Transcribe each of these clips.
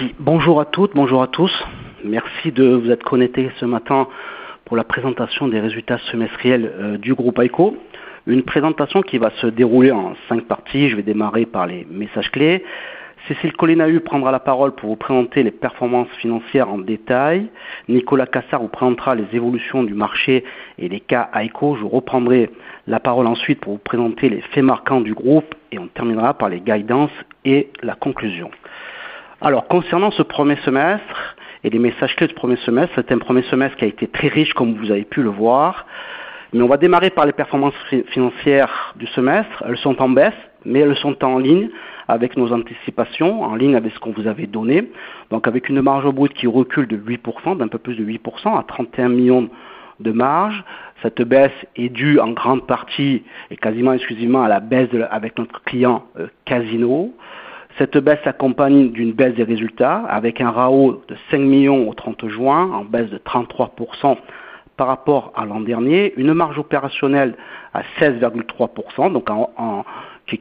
Merci. Bonjour à toutes, bonjour à tous. Merci de vous être connectés ce matin pour la présentation des résultats semestriels du groupe High Co. Une présentation qui va se dérouler en cinq parties. Je vais démarrer par les messages clés. Cécile Collinay prendra la parole pour vous présenter les performances financières en détail. Nicolas Cassard vous présentera les évolutions du marché et les cas High Co. Je reprendrai la parole ensuite pour vous présenter les faits marquants du groupe, et on terminera par les guidances et la conclusion. Concernant ce premier semestre et les messages clés du premier semestre, c'est un premier semestre qui a été très riche, comme vous avez pu le voir. On va démarrer par les performances financières du semestre. Elles sont en baisse, mais elles sont en ligne avec nos anticipations, en ligne avec ce qu'on vous avait donné. Avec une marge brute qui recule de 8%, d'un peu plus de 8%, à €31 millions de marge. Cette baisse est due en grande partie et quasiment exclusivement à la baisse avec notre client Casino. Cette baisse s'accompagne d'une baisse des résultats, avec un RAO de €5 millions au 30 juin, en baisse de 33% par rapport à l'an dernier. Une marge opérationnelle à 16,3%,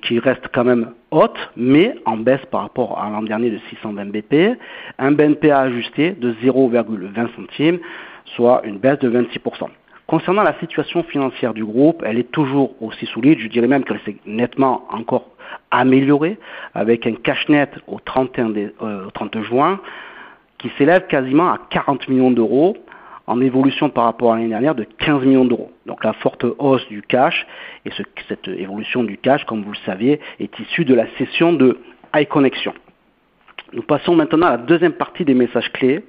qui reste quand même haute, mais en baisse par rapport à l'an dernier de 620 BP. Un BNP à ajuster de €0,20, soit une baisse de 26%. Concernant la situation financière du groupe, elle est toujours aussi solide. Je dirais même qu'elle s'est nettement encore améliorée avec un cash net au 30 juin qui s'élève quasiment à €40 millions, en évolution par rapport à l'année dernière de €15 millions. Donc, la forte hausse du cash, et cette évolution du cash, comme vous le savez, est issue de la cession de High Connexion. Nous passons maintenant à la deuxième partie des messages clés.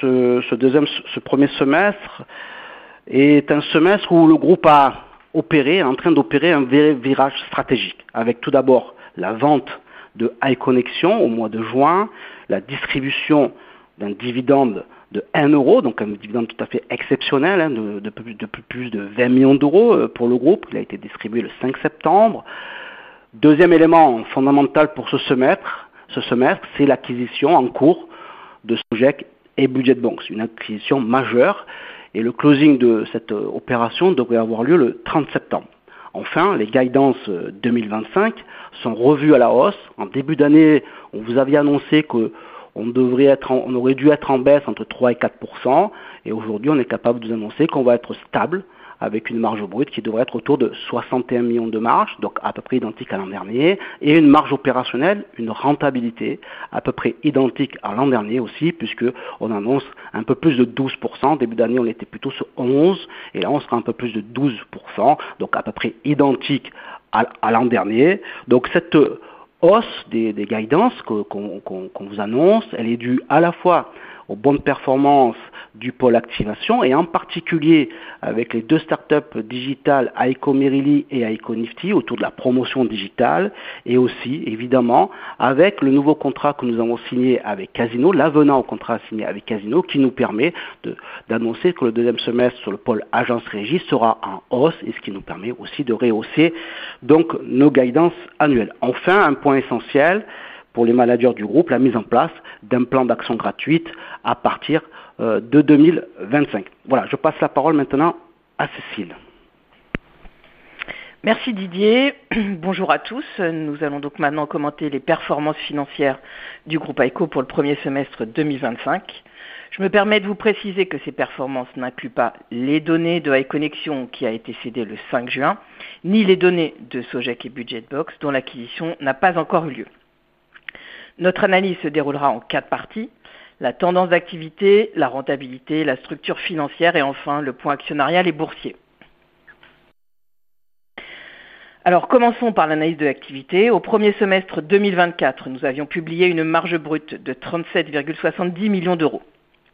Ce premier semestre est un semestre où le groupe est en train d'opérer un vrai virage stratégique, avec tout d'abord la vente de High Connexion au mois de juin, la distribution d'un dividende de €1, donc un dividende tout à fait exceptionnel de plus de €20 millions pour le groupe, qui a été distribué le 5 septembre. Deuxième élément fondamental pour ce semestre, c'est l'acquisition en cours de Sogec et Budget Banks, une acquisition majeure, et le closing de cette opération devrait avoir lieu le 30 septembre. Enfin, les guidances 2025 sont revues à la hausse. En début d'année, on vous avait annoncé qu'on aurait dû être en baisse entre 3% et 4%, et aujourd'hui, on est capable de vous annoncer qu'on va être stable avec une marge brute qui devrait être autour de €61 millions de marge, donc à peu près identique à l'an dernier, et une marge opérationnelle, une rentabilité à peu près identique à l'an dernier aussi, puisqu'on annonce un peu plus de 12%. En début d'année, on était plutôt sur 11%, et là, on sera un peu plus de 12%, donc à peu près identique à l'an dernier. Cette hausse des guidances qu'on vous annonce, elle est due à la fois aux bonnes performances du pôle activation et en particulier avec les deux start-up digitales High Co Merrill et High Co Nifty autour de la promotion digitale, et aussi, évidemment, avec le nouveau contrat que nous avons signé avec Casino, l'avenant au contrat signé avec Casino, qui nous permet d'annoncer que le deuxième semestre sur le pôle agence régie sera en hausse, et ce qui nous permet aussi de rehausser donc nos guidances annuelles. Enfin, un point essentiel pour les managers du groupe: la mise en place d'un plan d'action gratuite à partir de 2025. Voilà, je passe la parole maintenant à Cécile. Merci Didier. Bonjour à tous. Nous allons donc maintenant commenter les performances financières du groupe High Co pour le premier semestre 2025. Je me permets de vous préciser que ces performances n'incluent pas les données de High Connexion, qui a été cédée le 5 juin, ni les données de Sogec et Budget Banks, dont l'acquisition n'a pas encore eu lieu. Notre analyse se déroulera en quatre parties: la tendance d'activité, la rentabilité, la structure financière et enfin le point actionnarial et boursier. Commençons par l'analyse de l'activité. Au premier semestre 2024, nous avions publié une marge brute de €37,70 millions.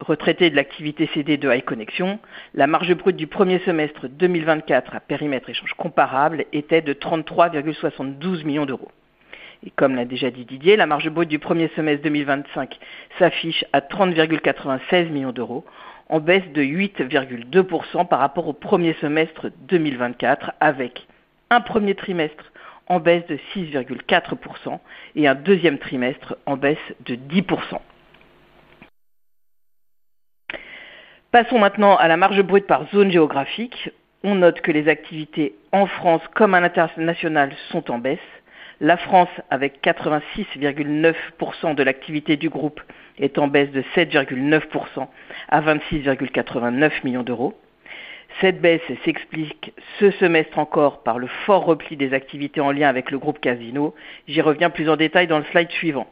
Retraitée de l'activité cédée de High Connexion, la marge brute du premier semestre 2024 à périmètre échange comparable était de €33,72 millions. Comme l'a déjà dit Didier, la marge brute du premier semestre 2025 s'affiche à €30,96 millions, en baisse de 8,2% par rapport au premier semestre 2024, avec un premier trimestre en baisse de 6,4% et un deuxième trimestre en baisse de 10%. Passons maintenant à la marge brute par zone géographique. On note que les activités en France comme à l'international sont en baisse. La France, avec 86,9% de l'activité du groupe, est en baisse de 7,9% à €26,89 millions. Cette baisse s'explique ce semestre encore par le fort repli des activités en lien avec le groupe Casino. J'y reviens plus en détail dans le slide suivant.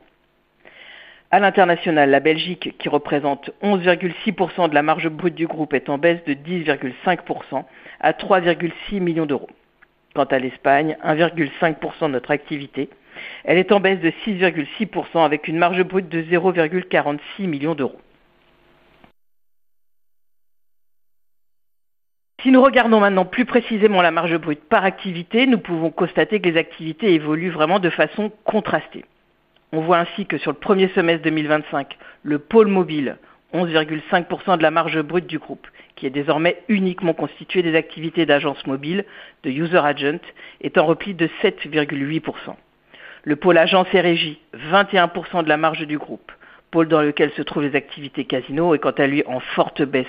À l'international, la Belgique, qui représente 11,6% de la marge brute du groupe, est en baisse de 10,5% à €3,6 millions. Quant à l'Espagne, 1,5% de notre activité, elle est en baisse de 6,6% avec une marge brute de €0,46 millions. Si nous regardons maintenant plus précisément la marge brute par activité, nous pouvons constater que les activités évoluent vraiment de façon contrastée. On voit ainsi que sur le premier semestre 2025, le pôle mobile a 11,5% de la marge brute du groupe, qui est désormais uniquement constitué des activités d'agence mobile, de user agent, étant repli de 7,8%. Le pôle agence et régie, 21% de la marge du groupe, pôle dans lequel se trouvent les activités Casino, est quant à lui en forte baisse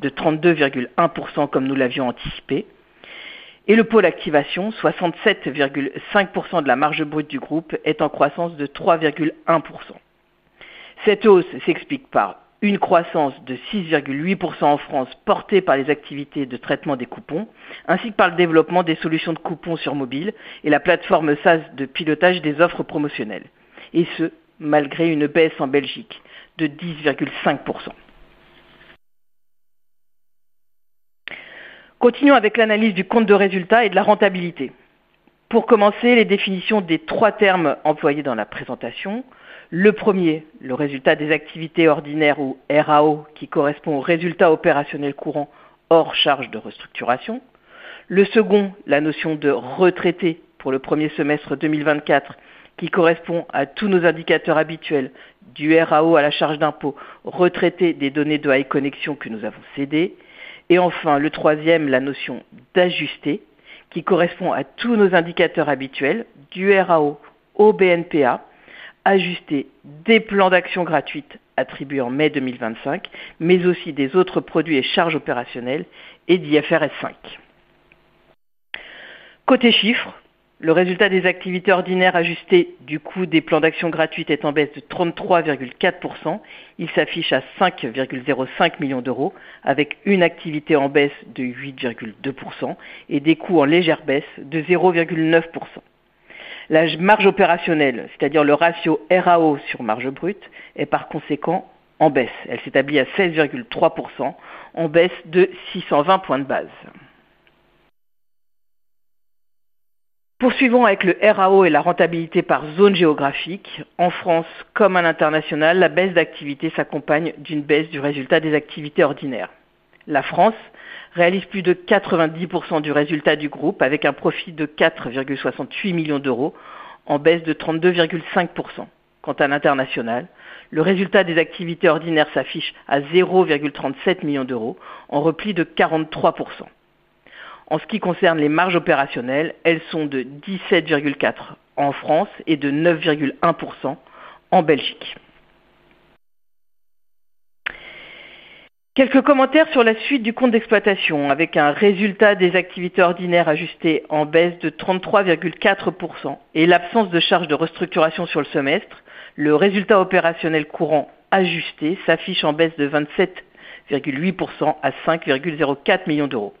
de 32,1% comme nous l'avions anticipé. Le pôle activation, 67,5% de la marge brute du groupe, est en croissance de 3,1%. Cette hausse s'explique par une croissance de 6,8% en France, portée par les activités de traitement des coupons, ainsi que par le développement des solutions de coupons sur mobile et la plateforme SaaS de pilotage des offres promotionnelles, et ce, malgré une baisse en Belgique de 10,5%. Continuons avec l'analyse du compte de résultat et de la rentabilité. Pour commencer, les définitions des trois termes employés dans la présentation. Le premier, le résultat des activités ordinaires ou RAO, qui correspond au résultat opérationnel courant hors charges de restructuration. Le second, la notion de retraité pour le premier semestre 2024, qui correspond à tous nos indicateurs habituels du RAO à la charge d'impôt retraité des données de High Connexion que nous avons cédées. Enfin, le troisième, la notion d'ajusté, qui correspond à tous nos indicateurs habituels du RAO au BNPA, ajusté des plans d'action gratuite attribués en mai 2025, mais aussi des autres produits et charges opérationnelles et d'IFRS 5. Côté chiffres, le résultat des activités ordinaires ajustées du coût des plans d'action gratuite est en baisse de 33,4%. Il s'affiche à €5,05 millions, avec une activité en baisse de 8,2% et des coûts en légère baisse de 0,9%. La marge opérationnelle, c'est-à-dire le ratio RAO sur marge brute, est par conséquent en baisse. Elle s'établit à 16,3%, en baisse de 620 points de base. Poursuivons avec le RAO et la rentabilité par zone géographique. En France comme à l'international, la baisse d'activité s'accompagne d'une baisse du résultat des activités ordinaires. La France réalise plus de 90% du résultat du groupe, avec un profit de €4,68 millions, en baisse de 32,5%. Quant à l'international, le résultat des activités ordinaires s'affiche à €0,37 millions, en repli de 43%. En ce qui concerne les marges opérationnelles, elles sont de 17,4% en France et de 9,1% en Belgique. Quelques commentaires sur la suite du compte d'exploitation, avec un résultat des activités ordinaires ajustées en baisse de 33,4% et l'absence de charges de restructuration sur le semestre. Le résultat opérationnel courant ajusté s'affiche en baisse de 27,8% à €5,04 millions.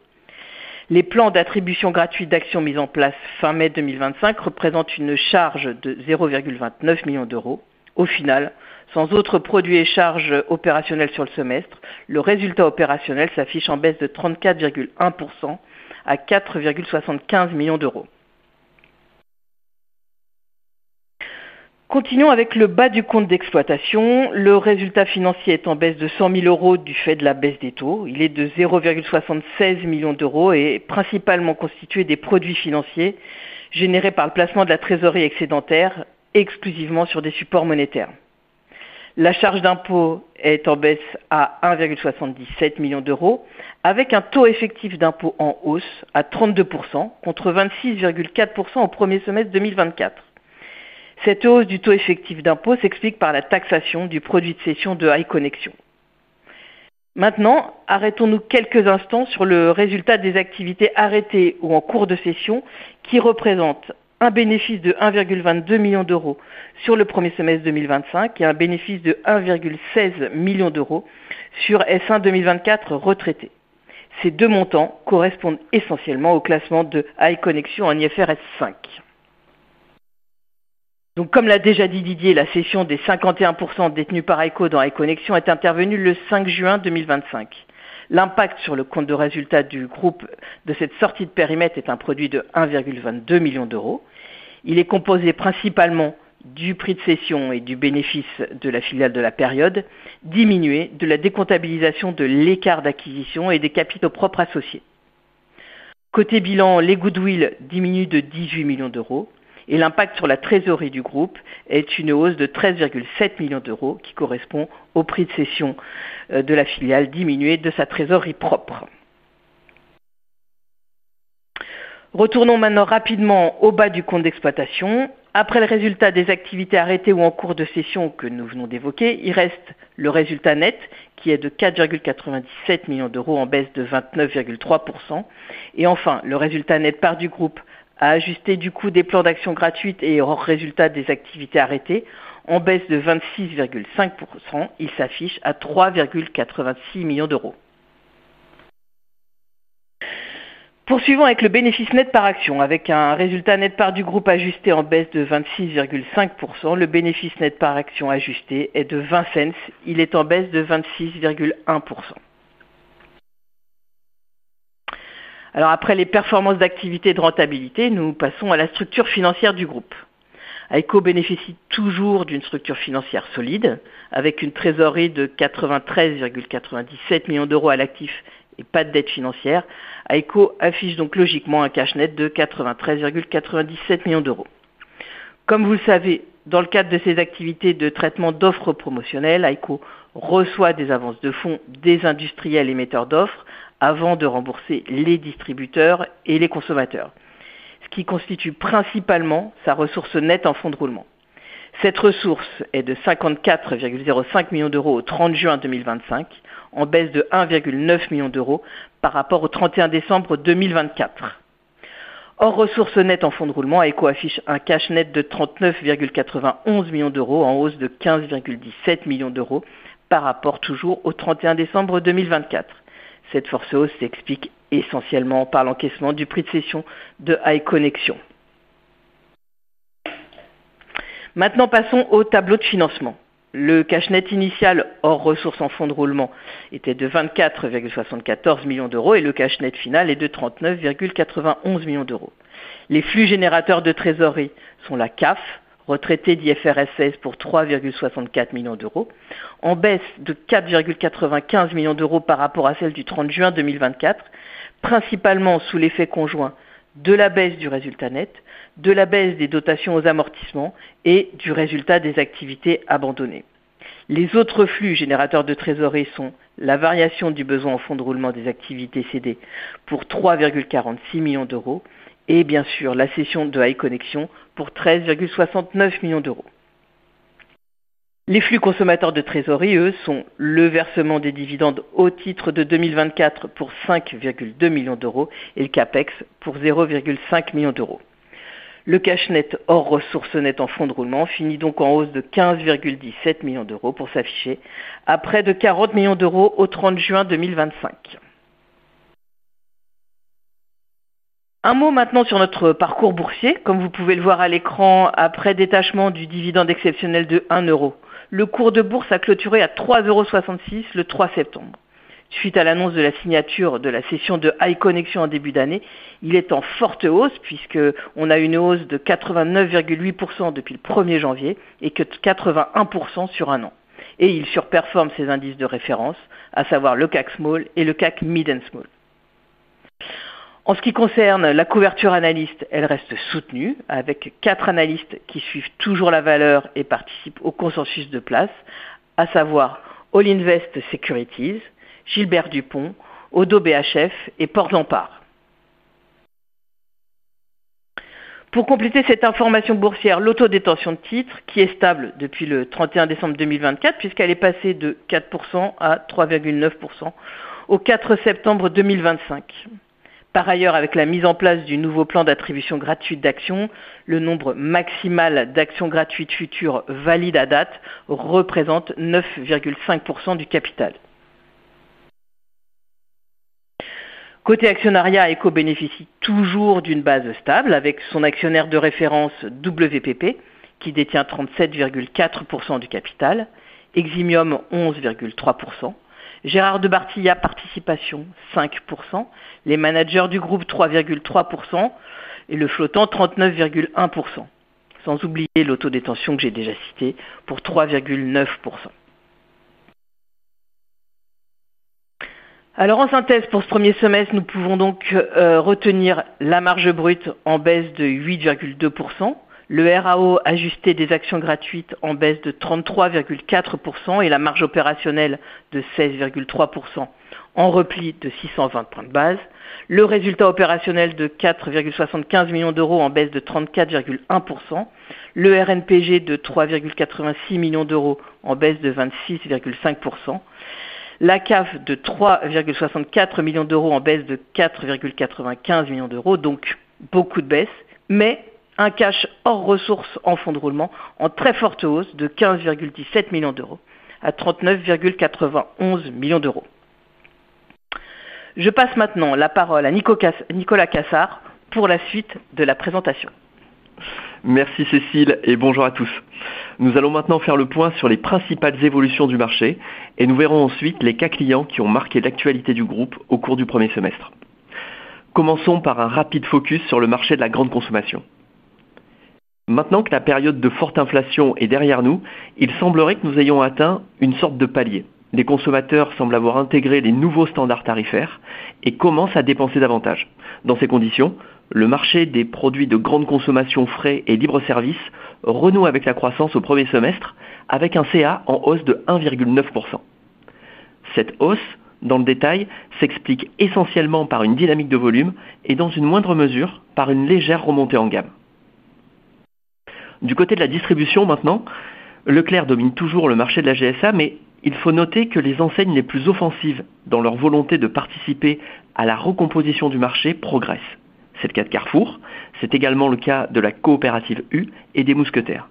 Les plans d'attribution gratuite d'actions mis en place fin mai 2025 représentent une charge de €0,29 millions. Au final, sans autre produit et charge opérationnelle sur le semestre, le résultat opérationnel s'affiche en baisse de 34,1% à €4,75 millions. Continuons avec le bas du compte d'exploitation. Le résultat financier est en baisse de €100 000 du fait de la baisse des taux. Il est de €0,76 millions et est principalement constitué des produits financiers générés par le placement de la trésorerie excédentaire exclusivement sur des supports monétaires. La charge d'impôt est en baisse à €1,77 millions, avec un taux effectif d'impôt en hausse à 32%, contre 26,4% au premier semestre 2024. Cette hausse du taux effectif d'impôt s'explique par la taxation du produit de cession de High Connexion. Maintenant, arrêtons-nous quelques instants sur le résultat des activités arrêtées ou en cours de cession, qui représente un bénéfice de €1,22 millions sur le premier semestre 2025 et un bénéfice de €1,16 millions sur S1 2024 retraité. Ces deux montants correspondent essentiellement au classement de High Connexion en IFRS 5. Comme l'a déjà dit Didier, la cession des 51% détenus par High Co dans High Connexion est intervenue le 5 juin 2025. L'impact sur le compte de résultat du groupe de cette sortie de périmètre est un produit de €1,22 millions. Il est composé principalement du prix de cession et du bénéfice de la filiale de la période, diminué de la décontabilisation de l'écart d'acquisition et des capitaux propres associés. Côté bilan, les goodwill diminuent de €18 millions et l'impact sur la trésorerie du groupe est une hausse de €13,7 millions, qui correspond au prix de cession de la filiale diminué de sa trésorerie propre. Retournons maintenant rapidement au bas du compte d'exploitation. Après le résultat des activités arrêtées ou en cours de cession que nous venons d'évoquer, il reste le résultat net, qui est de €4,97 millions, en baisse de 29,3%. Enfin, le résultat net part du groupe a ajusté du coût des plans d'action gratuite et hors résultat des activités arrêtées, en baisse de 26,5%. Il s'affiche à €3,86 millions. Poursuivons avec le bénéfice net par action. Avec un résultat net part du groupe ajusté en baisse de 26,5%, le bénéfice net par action ajusté est de 20 cents. Il est en baisse de 26,1%. Après les performances d'activité et de rentabilité, nous passons à la structure financière du groupe. High Co bénéficie toujours d'une structure financière solide, avec une trésorerie de €93,97 millions à l'actif et pas de dettes financières. High Co affiche donc logiquement un cash net de €93,97 millions. Comme vous le savez, dans le cadre de ses activités de traitement d'offres promotionnelles, High Co reçoit des avances de fonds des industriels émetteurs d'offres avant de rembourser les distributeurs et les consommateurs, ce qui constitue principalement sa ressource nette en fonds de roulement. Cette ressource est de €54,05 millions au 30 juin 2025, en baisse de €1,9 millions par rapport au 31 décembre 2024. Hors ressource nette en fonds de roulement, High Co affiche un cash net de €39,91 millions, en hausse de €15,17 millions par rapport toujours au 31 décembre 2024. Cette forte hausse s'explique essentiellement par l'encaissement du prix de cession de High Connexion. Maintenant, passons au tableau de financement. Le cash net initial hors ressources en fonds de roulement était de €24,74 millions et le cash net final est de €39,91 millions. Les flux générateurs de trésorerie sont la CAF, retraités d'IFRS 16 pour €3,64 millions, en baisse de €4,95 millions par rapport à celle du 30 juin 2024, principalement sous l'effet conjoint de la baisse du résultat net, de la baisse des dotations aux amortissements et du résultat des activités abandonnées. Les autres flux générateurs de trésorerie sont la variation du besoin en fonds de roulement des activités cédées pour €3,46 millions et, bien sûr, la cession de High Connexion pour €13,69 millions. Les flux consommateurs de trésorerie, eux, sont le versement des dividendes au titre de 2024 pour €5,2 millions et le CAPEX pour €0,5 million. Le cash net hors ressources nettes en fonds de roulement finit donc en hausse de €15,17 millions pour s'afficher à près de €40 millions au 30 juin 2025. Un mot maintenant sur notre parcours boursier. Comme vous pouvez le voir à l'écran, après détachement du dividende exceptionnel de €1, le cours de bourse a clôturé à €3,66 le 3 septembre. Suite à l'annonce de la signature de la cession de High Connexion en début d'année, il est en forte hausse puisqu'on a une hausse de 89,8% depuis le 1er janvier et que de 81% sur un an. Il surperforme ses indices de référence, à savoir le CAC Small et le CAC Mid and Small. En ce qui concerne la couverture analyste, elle reste soutenue avec quatre analystes qui suivent toujours la valeur et participent au consensus de place, à savoir All Invest Securities, Gilbert Dupont, Oddo BHF et Port d'Empare. Pour compléter cette information boursière, l'auto-détention de titres qui est stable depuis le 31 décembre 2024 puisqu'elle est passée de 4% à 3,9% au 4 septembre 2025. Par ailleurs, avec la mise en place du nouveau plan d'attribution gratuite d'actions, le nombre maximal d'actions gratuites futures valides à date représente 9,5% du capital. Côté actionnariat, High Co bénéficie toujours d'une base stable avec son actionnaire de référence WPP qui détient 37,4% du capital, Eximium 11,3%, Gérard de Barthillat participation 5%, les managers du groupe 3,3% et le flottant 39,1%. Sans oublier l'auto-détention que j'ai déjà citée pour 3,9%. En synthèse, pour ce premier semestre, nous pouvons donc retenir la marge brute en baisse de 8,2%, le RAO ajusté des actions gratuites en baisse de 33,4% et la marge opérationnelle de 16,3% en repli de 620 points de base, le résultat opérationnel de €4,75 millions en baisse de 34,1%, le RNPG de €3,86 millions en baisse de 26,5%, la CAF de €3,64 millions en baisse de €4,95 millions, donc beaucoup de baisse, mais un cash hors ressources en fonds de roulement en très forte hausse de €15,17 millions à €39,91 millions. Je passe maintenant la parole à Nicolas Cassard pour la suite de la présentation. Merci Cécile et bonjour à tous. Nous allons maintenant faire le point sur les principales évolutions du marché et nous verrons ensuite les cas clients qui ont marqué l'actualité du groupe au cours du premier semestre. Commençons par un rapide focus sur le marché de la grande consommation. Maintenant que la période de forte inflation est derrière nous, il semblerait que nous ayons atteint une sorte de palier. Les consommateurs semblent avoir intégré les nouveaux standards tarifaires et commencent à dépenser davantage. Dans ces conditions, le marché des produits de grande consommation frais et libre-service renoue avec la croissance au premier semestre avec un CA en hausse de 1,9%. Cette hausse dans le détail s'explique essentiellement par une dynamique de volume et dans une moindre mesure par une légère remontée en gamme. Du côté de la distribution maintenant, Leclerc domine toujours le marché de la GSA, mais il faut noter que les enseignes les plus offensives dans leur volonté de participer à la recomposition du marché progressent. C'est le cas de Carrefour, c'est également le cas de la coopérative U et des Mousquetaires.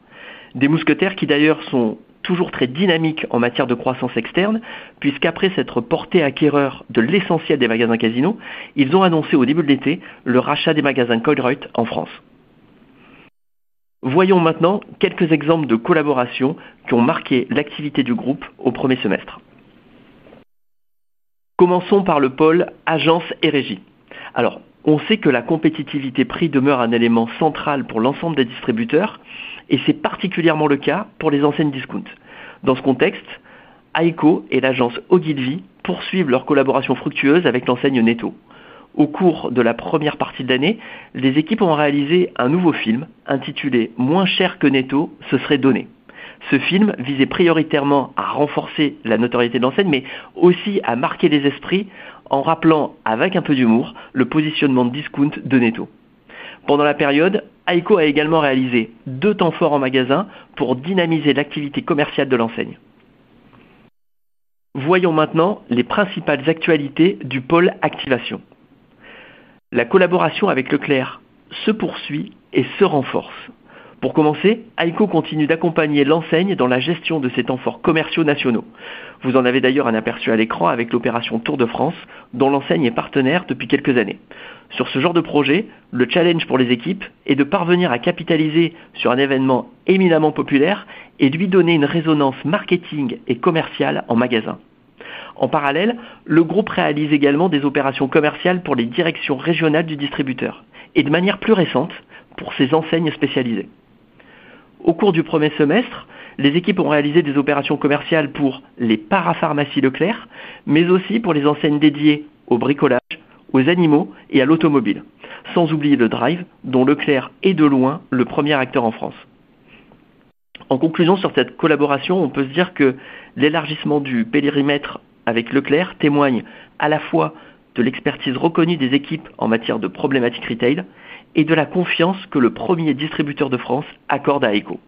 Des Mousquetaires qui d'ailleurs sont toujours très dynamiques en matière de croissance externe, puisqu'après s'être portés acquéreurs de l'essentiel des magasins Casino, ils ont annoncé au début de l'été le rachat des magasins Colruyt en France. Voyons maintenant quelques exemples de collaboration qui ont marqué l'activité du groupe au premier semestre. Commençons par le pôle agence et régie. On sait que la compétitivité prix demeure un élément central pour l'ensemble des distributeurs, et c'est particulièrement le cas pour les enseignes discount. Dans ce contexte, High Co et l'agence Ogilvy poursuivent leur collaboration fructueuse avec l'enseigne Netto. Au cours de la première partie de l'année, les équipes ont réalisé un nouveau film intitulé "Moins cher que Netto, ce serait donné". Ce film visait prioritairement à renforcer la notoriété de l'enseigne, mais aussi à marquer les esprits en rappelant avec un peu d'humour le positionnement de discount de Netto. Pendant la période, High Co a également réalisé deux temps forts en magasin pour dynamiser l'activité commerciale de l'enseigne. Voyons maintenant les principales actualités du pôle activation. La collaboration avec Leclerc se poursuit et se renforce. Pour commencer, High Co continue d'accompagner l'enseigne dans la gestion de ses temps forts commerciaux nationaux. Vous en avez d'ailleurs un aperçu à l'écran avec l'opération Tour de France, dont l'enseigne est partenaire depuis quelques années. Sur ce genre de projet, le challenge pour les équipes est de parvenir à capitaliser sur un événement éminemment populaire et de lui donner une résonance marketing et commerciale en magasin. En parallèle, le groupe réalise également des opérations commerciales pour les directions régionales du distributeur et, de manière plus récente, pour ses enseignes spécialisées. Au cours du premier semestre, les équipes ont réalisé des opérations commerciales pour les parapharmacies Leclerc, mais aussi pour les enseignes dédiées au bricolage, aux animaux et à l'automobile, sans oublier le drive dont Leclerc est de loin le premier acteur en France. En conclusion, sur cette collaboration, on peut se dire que l'élargissement du périmètre avec Leclerc témoigne à la fois de l'expertise reconnue des équipes en matière de problématiques retail et de la confiance que le premier distributeur de France accorde à High Co.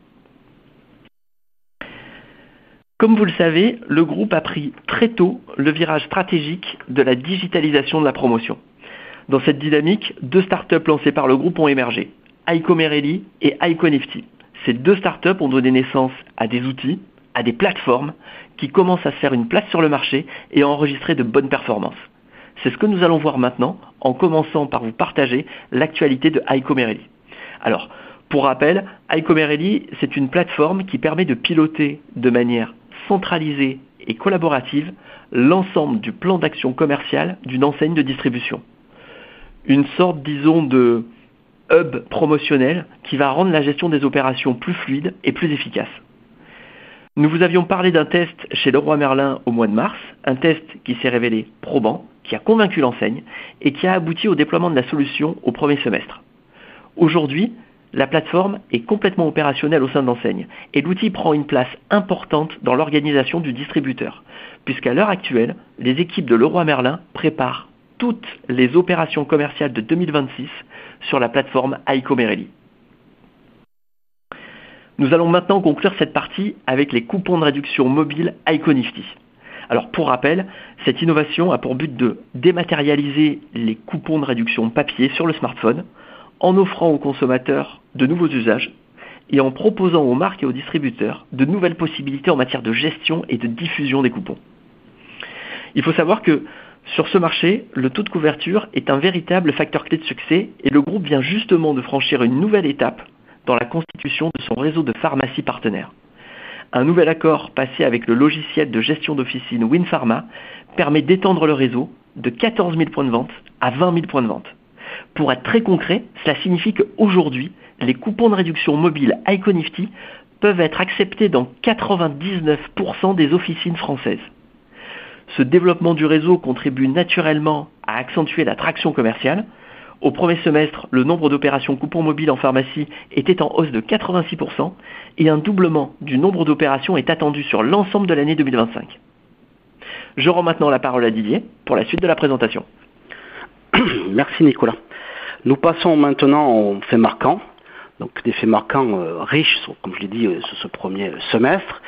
Comme vous le savez, le groupe a pris très tôt le virage stratégique de la digitalisation de la promotion. Dans cette dynamique, deux start-ups lancées par le groupe ont émergé: High Co Merrill et High Co Nifty. Ces deux start-ups ont donné naissance à des outils, à des plateformes qui commencent à se faire une place sur le marché et à enregistrer de bonnes performances. C'est ce que nous allons voir maintenant en commençant par vous partager l'actualité de High Co Merrill. Pour rappel, High Co Merrill, c'est une plateforme qui permet de piloter de manière centralisée et collaborative l'ensemble du plan d'action commercial d'une enseigne de distribution. Une sorte, disons, de hub promotionnel qui va rendre la gestion des opérations plus fluide et plus efficace. Nous vous avions parlé d'un test chez Leroy Merlin au mois de mars, un test qui s'est révélé probant, qui a convaincu l'enseigne et qui a abouti au déploiement de la solution au premier semestre. Aujourd'hui, la plateforme est complètement opérationnelle au sein de l'enseigne et l'outil prend une place importante dans l'organisation du distributeur, puisqu'à l'heure actuelle, les équipes de Leroy Merlin préparent toutes les opérations commerciales de 2026 sur la plateforme High Co Merrill. Nous allons maintenant conclure cette partie avec les coupons de réduction mobile High Co Nifty. Pour rappel, cette innovation a pour but de dématérialiser les coupons de réduction papier sur le smartphone en offrant aux consommateurs de nouveaux usages et en proposant aux marques et aux distributeurs de nouvelles possibilités en matière de gestion et de diffusion des coupons. Il faut savoir que sur ce marché, le taux de couverture est un véritable facteur clé de succès et le groupe vient justement de franchir une nouvelle étape dans la constitution de son réseau de pharmacies partenaires. Un nouvel accord passé avec le logiciel de gestion d'officine WinPharma permet d'étendre le réseau de 14 000 points de vente à 20 000 points de vente. Pour être très concret, cela signifie qu'aujourd'hui, les coupons de réduction mobile High Co Nifty peuvent être acceptés dans 99% des officines françaises. Ce développement du réseau contribue naturellement à accentuer l'attraction commerciale. Au premier semestre, le nombre d'opérations coupons mobiles en pharmacie était en hausse de 86% et un doublement du nombre d'opérations est attendu sur l'ensemble de l'année 2025. Je rends maintenant la parole à Didier pour la suite de la présentation. Merci Nicolas. Nous passons maintenant aux faits marquants. Donc, des faits marquants riches sont, comme je l'ai dit, sur ce premier semestre.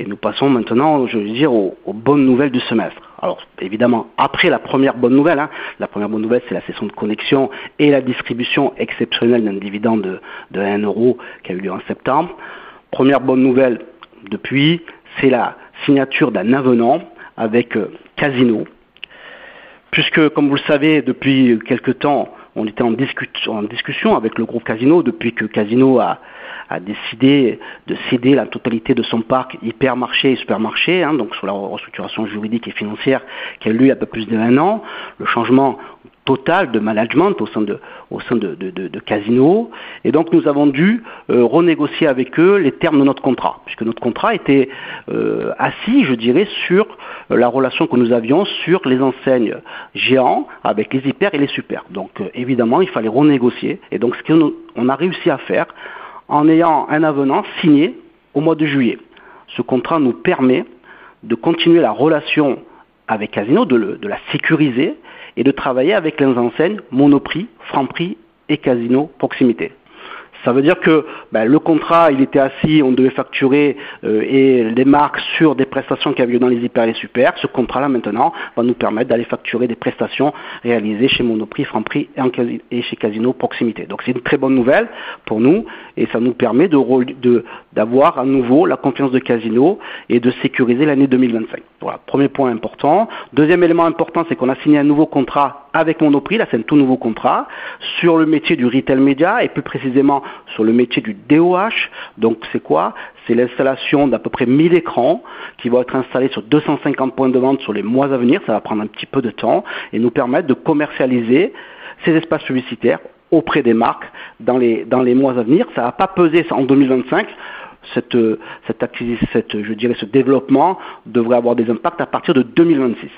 Et nous passons maintenant, j'ai envie de dire, aux bonnes nouvelles du semestre. Alors, évidemment, après la première bonne nouvelle, la première bonne nouvelle, c'est la cession de Connexion et la distribution exceptionnelle d'un dividende de 1 € qui a eu lieu en septembre. Première bonne nouvelle depuis, c'est la signature d'un avenant avec Casino. Puisque, comme vous le savez, depuis quelque temps, on était en discussion avec le groupe Casino depuis que Casino a décidé de céder la totalité de son parc hypermarchés et supermarchés, donc sur la restructuration juridique et financière qui a eu lieu il y a un peu plus d'un an, le changement total de management au sein de Casino. Et donc, nous avons dû renégocier avec eux les termes de notre contrat, puisque notre contrat était assis, je dirais, sur la relation que nous avions sur les enseignes géantes avec les hypers et les supers. Donc, évidemment, il fallait renégocier. Et donc, ce qu'on a réussi à faire en ayant un avenant signé au mois de juillet. Ce contrat nous permet de continuer la relation avec Casino, de la sécuriser et de travailler avec les enseignes Monoprix, Franprix et Casino Proximité. Ça veut dire que le contrat, il était assis, on devait facturer et les marques sur des prestations qui avaient lieu dans les hypers et les supers. Ce contrat-là, maintenant, va nous permettre d'aller facturer des prestations réalisées chez Monoprix, Franprix et chez Casino Proximité. Donc, c'est une très bonne nouvelle pour nous et ça nous permet d'avoir à nouveau la confiance de Casino et de sécuriser l'année 2025. Voilà, premier point important. Deuxième élément important, c'est qu'on a signé un nouveau contrat avec Monoprix. Là, c'est un tout nouveau contrat sur le métier du retail média et plus précisément sur le métier du DOH. Donc, c'est quoi? C'est l'installation d'à peu près 1 000 écrans qui vont être installés sur 250 points de vente sur les mois à venir. Ça va prendre un petit peu de temps et nous permettre de commercialiser ces espaces publicitaires auprès des marques dans les mois à venir. Ça ne va pas peser en 2025. Cet actif, je dirais, ce développement devrait avoir des impacts à partir de 2026.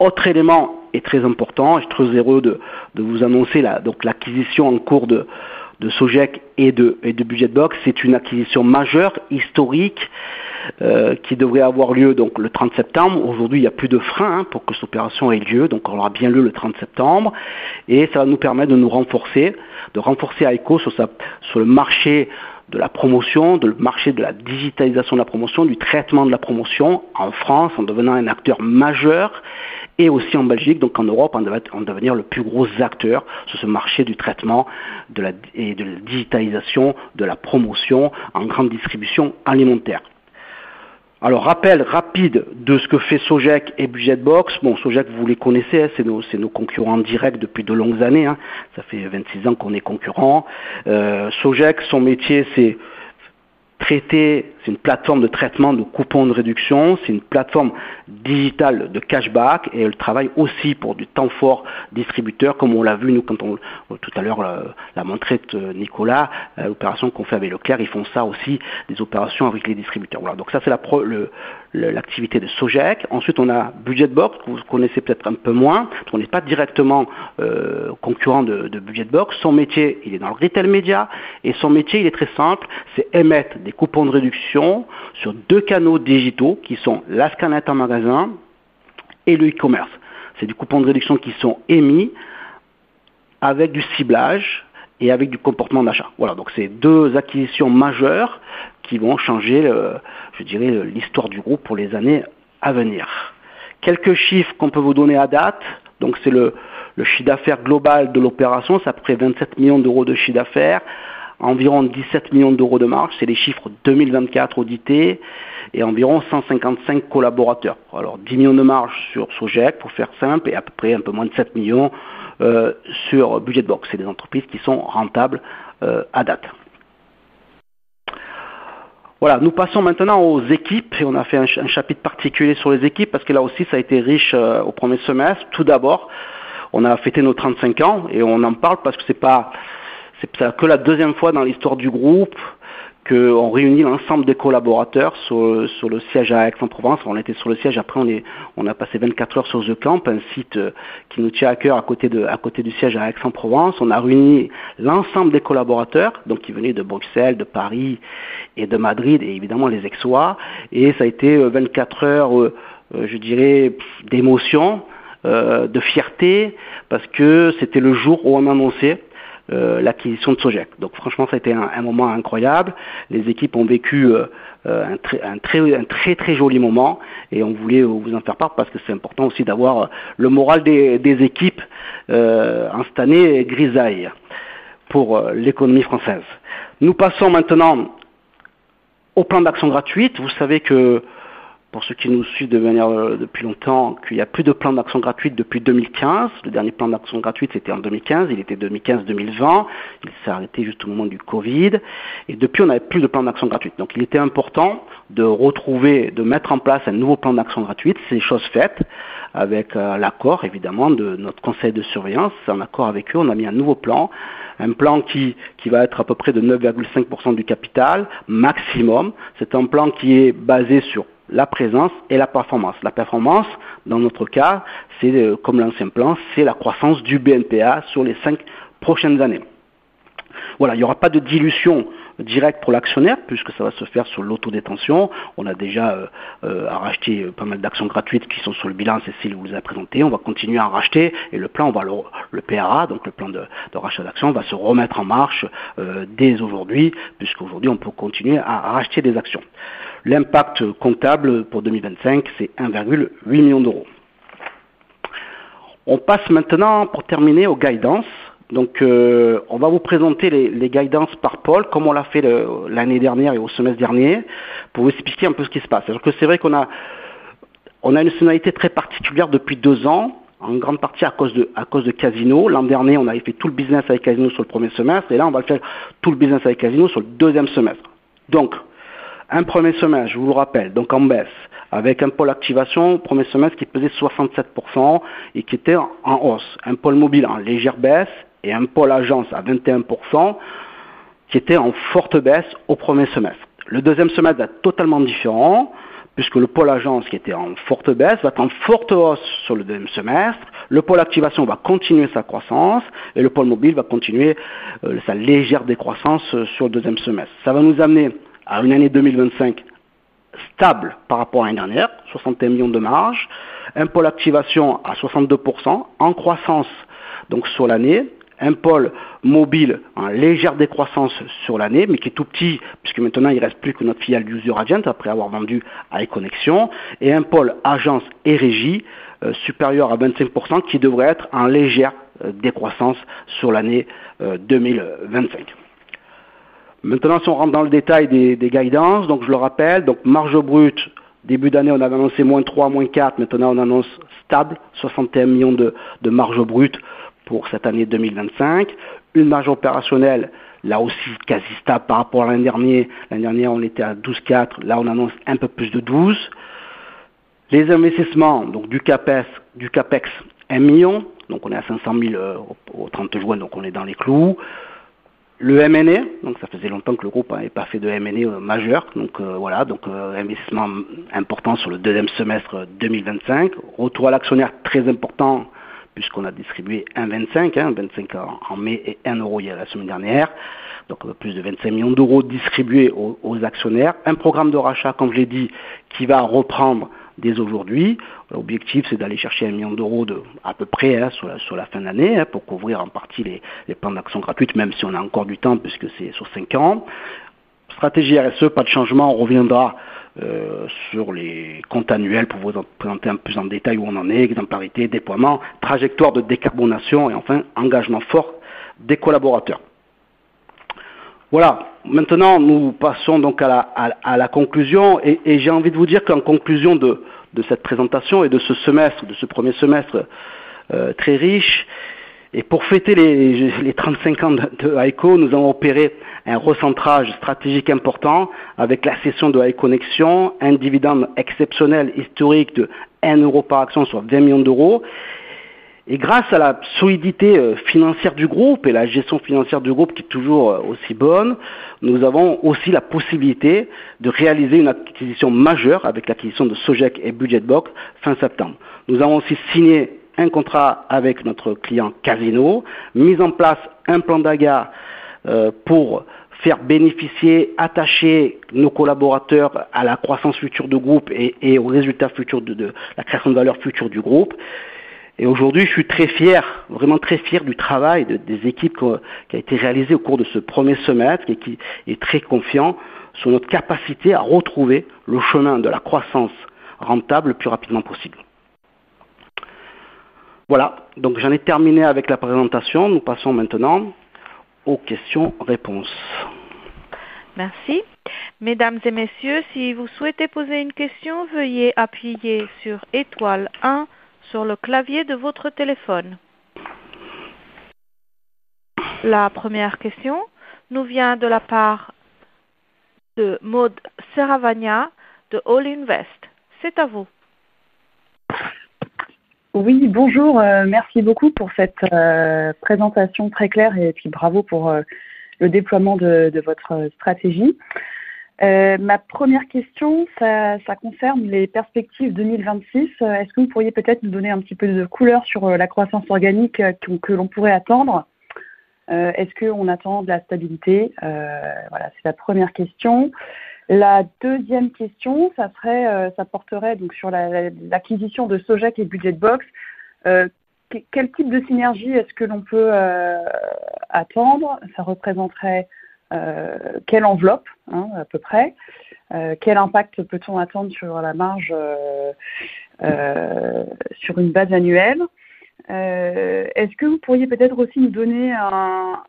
Autre élément très important, et je trouve heureux de vous annoncer l'acquisition en cours de Sogec et de Budget Box, c'est une acquisition majeure historique qui devrait avoir lieu le 30 septembre. Aujourd'hui, il n'y a plus de frein pour que cette opération ait lieu, donc on l'aura bien lieu le 30 septembre. Et ça va nous permettre de nous renforcer, de renforcer High Co sur le marché de la promotion, le marché de la digitalisation de la promotion, du traitement de la promotion en France, en devenant un acteur majeur, et aussi en Belgique, donc en Europe, en devenant le plus gros acteur sur ce marché du traitement et de la digitalisation de la promotion en grande distribution alimentaire. Alors, rappel rapide de ce que fait Sogec et Budget Box. Bon, Sogec, vous les connaissez, c'est nos concurrents directs depuis de longues années. Ça fait 26 ans qu'on est concurrents. Sogec, son métier, c'est traiter, c'est une plateforme de traitement de coupons de réduction, c'est une plateforme digitale de cashback et elle travaille aussi pour du temps fort distributeur, comme on l'a vu, nous, quand on tout à l'heure l'a montré Nicolas, l'opération qu'on fait avec Leclerc, ils font ça aussi, des opérations avec les distributeurs. Voilà, donc ça, c'est l'activité de Sogec. Ensuite, on a Budget Box, que vous connaissez peut-être un peu moins, parce qu'on n'est pas directement concurrents de Budget Box. Son métier, il est dans le retail média et son métier, il est très simple, c'est émettre des coupons de réduction sur deux canaux digitaux qui sont la scanlett en magasin et le e-commerce. C'est des coupons de réduction qui sont émis avec du ciblage et avec du comportement d'achat. Voilà, donc c'est deux acquisitions majeures qui vont changer, je dirais, l'histoire du groupe pour les années à venir. Quelques chiffres qu'on peut vous donner à date. Donc, c'est le chiffre d'affaires global de l'opération, c'est à peu près 27 millions d'euros de chiffre d'affaires, environ 17 millions d'euros de marge, c'est les chiffres 2024 audités, et environ 155 collaborateurs. Alors, 10 millions de marge sur Sogec pour faire simple et à peu près un peu moins de 7 millions sur Budget Box. C'est des entreprises qui sont rentables à date. Voilà, nous passons maintenant aux équipes et on a fait un chapitre particulier sur les équipes parce que là aussi, ça a été riche au premier semestre. Tout d'abord, on a fêté nos 35 ans et on en parle parce que ce n'est pas que la deuxième fois dans l'histoire du groupe qu'on réunit l'ensemble des collaborateurs sur le siège à Aix-en-Provence. On était sur le siège, après on a passé 24 heures sur The Camp, un site qui nous tient à cœur à côté du siège à Aix-en-Provence. On a réuni l'ensemble des collaborateurs, donc qui venaient de Bruxelles, de Paris et de Madrid, et évidemment les Aixois et ça a été 24 heures, je dirais, d'émotion, de fierté parce que c'était le jour où on annonçait l'acquisition de Sogec. Donc franchement, ça a été un moment incroyable. Les équipes ont vécu un très très très joli moment et on voulait vous en faire part parce que c'est important aussi d'avoir le moral des équipes installé grisaille pour l'économie française. Nous passons maintenant au plan d'action gratuite. Vous savez que pour ceux qui nous suivent depuis longtemps, qu'il n'y a plus de plan d'action gratuite depuis 2015. Le dernier plan d'action gratuite, c'était en 2015, il était 2015-2020, il s'est arrêté juste au moment du Covid et depuis, on n'avait plus de plan d'action gratuite. Donc, il était important de retrouver, de mettre en place un nouveau plan d'action gratuite. C'est chose faite avec l'accord, évidemment, de notre conseil de surveillance. C'est en accord avec eux, on a mis un nouveau plan, un plan qui va être à peu près de 9,5 % du capital maximum. C'est un plan qui est basé sur la présence et la performance. La performance, dans notre cas, c'est comme l'ancien plan, c'est la croissance du BNPA sur les cinq prochaines années. Voilà, il n'y aura pas de dilution directe pour l'actionnaire puisque ça va se faire sur l'auto-détention. On a déjà racheté pas mal d'actions gratuites qui sont sur le bilan, Cécile vous les a présentées. On va continuer à en racheter et le plan, on va le PRA, donc le plan de rachat d'actions, va se remettre en marche dès aujourd'hui puisqu'aujourd'hui, on peut continuer à racheter des actions. L'impact comptable pour 2025, c'est 1,8 million d'euros. On passe maintenant, pour terminer, aux guidances. Donc, on va vous présenter les guidances par pôle, comme on l'a fait l'année dernière et au semestre dernier, pour vous expliquer un peu ce qui se passe. Alors que c'est vrai qu'on a une saisonnalité très particulière depuis deux ans, en grande partie à cause de Casino. L'an dernier, on avait fait tout le business avec Casino sur le premier semestre et là, on va le faire tout le business avec Casino sur le deuxième semestre. Donc, un premier semestre, je vous le rappelle, donc en baisse avec un pôle activation, premier semestre qui faisait 67 % et qui était en hausse. Un pôle mobile en légère baisse et un pôle agence à 21 % qui était en forte baisse au premier semestre. Le deuxième semestre va être totalement différent puisque le pôle agence qui était en forte baisse va être en forte hausse sur le deuxième semestre. Le pôle activation va continuer sa croissance et le pôle mobile va continuer sa légère décroissance sur le deuxième semestre. Ça va nous amener à une année 2025 stable par rapport à l'année dernière, 61 millions de marge, un pôle activation à 62 % en croissance donc sur l'année, un pôle mobile en légère décroissance sur l'année mais qui est tout petit puisque maintenant il ne reste plus que notre filiale user agent après avoir vendu à High Connexion et un pôle agence et régie supérieur à 25 % qui devrait être en légère décroissance sur l'année 2025. Maintenant, si on rentre dans le détail des guidances, donc je le rappelle, donc marge brute, début d'année on avait annoncé moins 3, moins 4, maintenant on annonce stable, 61 millions de marge brute pour cette année 2025. Une marge opérationnelle, là aussi quasi stable par rapport à l'année dernière. L'année dernière, on était à 12,4, là on annonce un peu plus de 12. Les investissements, donc du CAPEX, 1 million, donc on est à 500 000 au 30 juin, donc on est dans les clous. Le M&A, donc ça faisait longtemps que le groupe n'avait pas fait de M&A majeur, donc voilà, donc investissement important sur le deuxième semestre 2025. Retour à l'actionnaire très important puisqu'on a distribué 1,25, 1,25 en mai et 1 € hier la semaine dernière, donc plus de 25 millions d'euros distribués aux actionnaires. Un programme de rachat, comme je l'ai dit, qui va reprendre dès aujourd'hui. L'objectif, c'est d'aller chercher un million d'euros à peu près sur la fin de l'année pour couvrir en partie les plans d'action gratuite, même si on a encore du temps puisque c'est sur cinq ans. Stratégie RSE, pas de changement, on reviendra sur les comptes annuels pour vous présenter un peu plus en détail où on en est, exemplarité, déploiement, trajectoire de décarbonation et enfin engagement fort des collaborateurs. Voilà, maintenant nous passons donc à la conclusion et j'ai envie de vous dire qu'en conclusion de cette présentation et de ce semestre, de ce premier semestre très riche, et pour fêter les 35 ans de High Co, nous avons opéré un recentrage stratégique important avec la cession de High Connexion, un dividende exceptionnel historique de 1 € par action, soit 20 millions d'euros. Et grâce à la solidité financière du groupe et la gestion financière du groupe qui est toujours aussi bonne, nous avons aussi la possibilité de réaliser une acquisition majeure avec l'acquisition de Sogec et Budget Box fin septembre. Nous avons aussi signé un contrat avec notre client Casino, mis en place un plan d'agat pour faire bénéficier, attacher nos collaborateurs à la croissance future du groupe et aux résultats futurs de la création de valeur future du groupe. Et aujourd'hui, je suis très fier, vraiment très fier du travail des équipes qui a été réalisé au cours de ce premier semestre et qui est très confiant sur notre capacité à retrouver le chemin de la croissance rentable le plus rapidement possible. Voilà, donc j'en ai terminé avec la présentation. Nous passons maintenant aux questions-réponses. Merci. Mesdames et messieurs, si vous souhaitez poser une question, veuillez appuyer sur étoile 1 sur le clavier de votre téléphone. La première question nous vient de la part de Maude Seravagna de All Invest. C'est à vous. Oui, bonjour. Merci beaucoup pour cette présentation très claire et puis bravo pour le déploiement de votre stratégie. Ma première question, ça concerne les perspectives 2026. Est-ce que vous pourriez peut-être nous donner un petit peu de couleur sur la croissance organique que l'on pourrait attendre? Est-ce qu'on attend de la stabilité? Voilà, c'est la première question. La deuxième question, ça porterait donc sur l'acquisition de Sogec et Budget Box. Quel type de synergie est-ce que l'on peut attendre? Ça représenterait quelle enveloppe à peu près? Quel impact peut-on attendre sur la marge sur une base annuelle? Est-ce que vous pourriez peut-être aussi nous donner un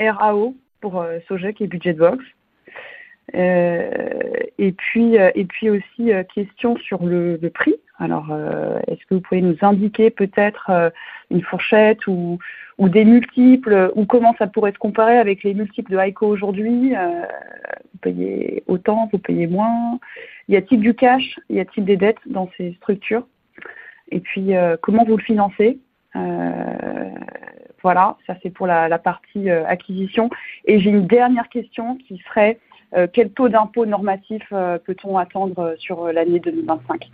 ROI pour Sogec et Budget Box? Et puis aussi question sur le prix. Alors, est-ce que vous pouvez nous indiquer peut-être une fourchette ou des multiples ou comment ça pourrait se comparer avec les multiples de High Co aujourd'hui? Vous payez autant, vous payez moins? Y a-t-il du cash? Y a-t-il des dettes dans ces structures? Et puis, comment vous le financez? Voilà, ça c'est pour la partie acquisition. Et j'ai une dernière question qui serait : quel taux d'impôt normatif peut-on attendre sur l'année 2025?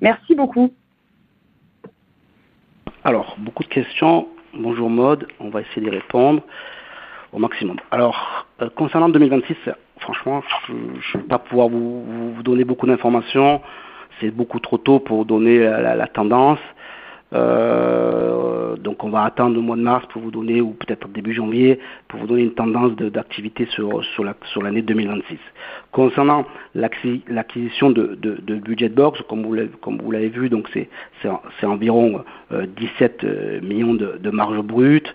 Merci beaucoup. Alors, beaucoup de questions. Bonjour Maude. On va essayer d'y répondre au maximum. Alors, concernant 2026, franchement, je ne vais pas pouvoir vous donner beaucoup d'informations. C'est beaucoup trop tôt pour vous donner la tendance. Donc, on va attendre le mois de mars pour vous donner, ou peut-être début janvier, pour vous donner une tendance d'activité sur l'année 2026. Concernant l'acquisition de Budget Box, comme vous l'avez vu, donc c'est environ 17 millions de marge brute.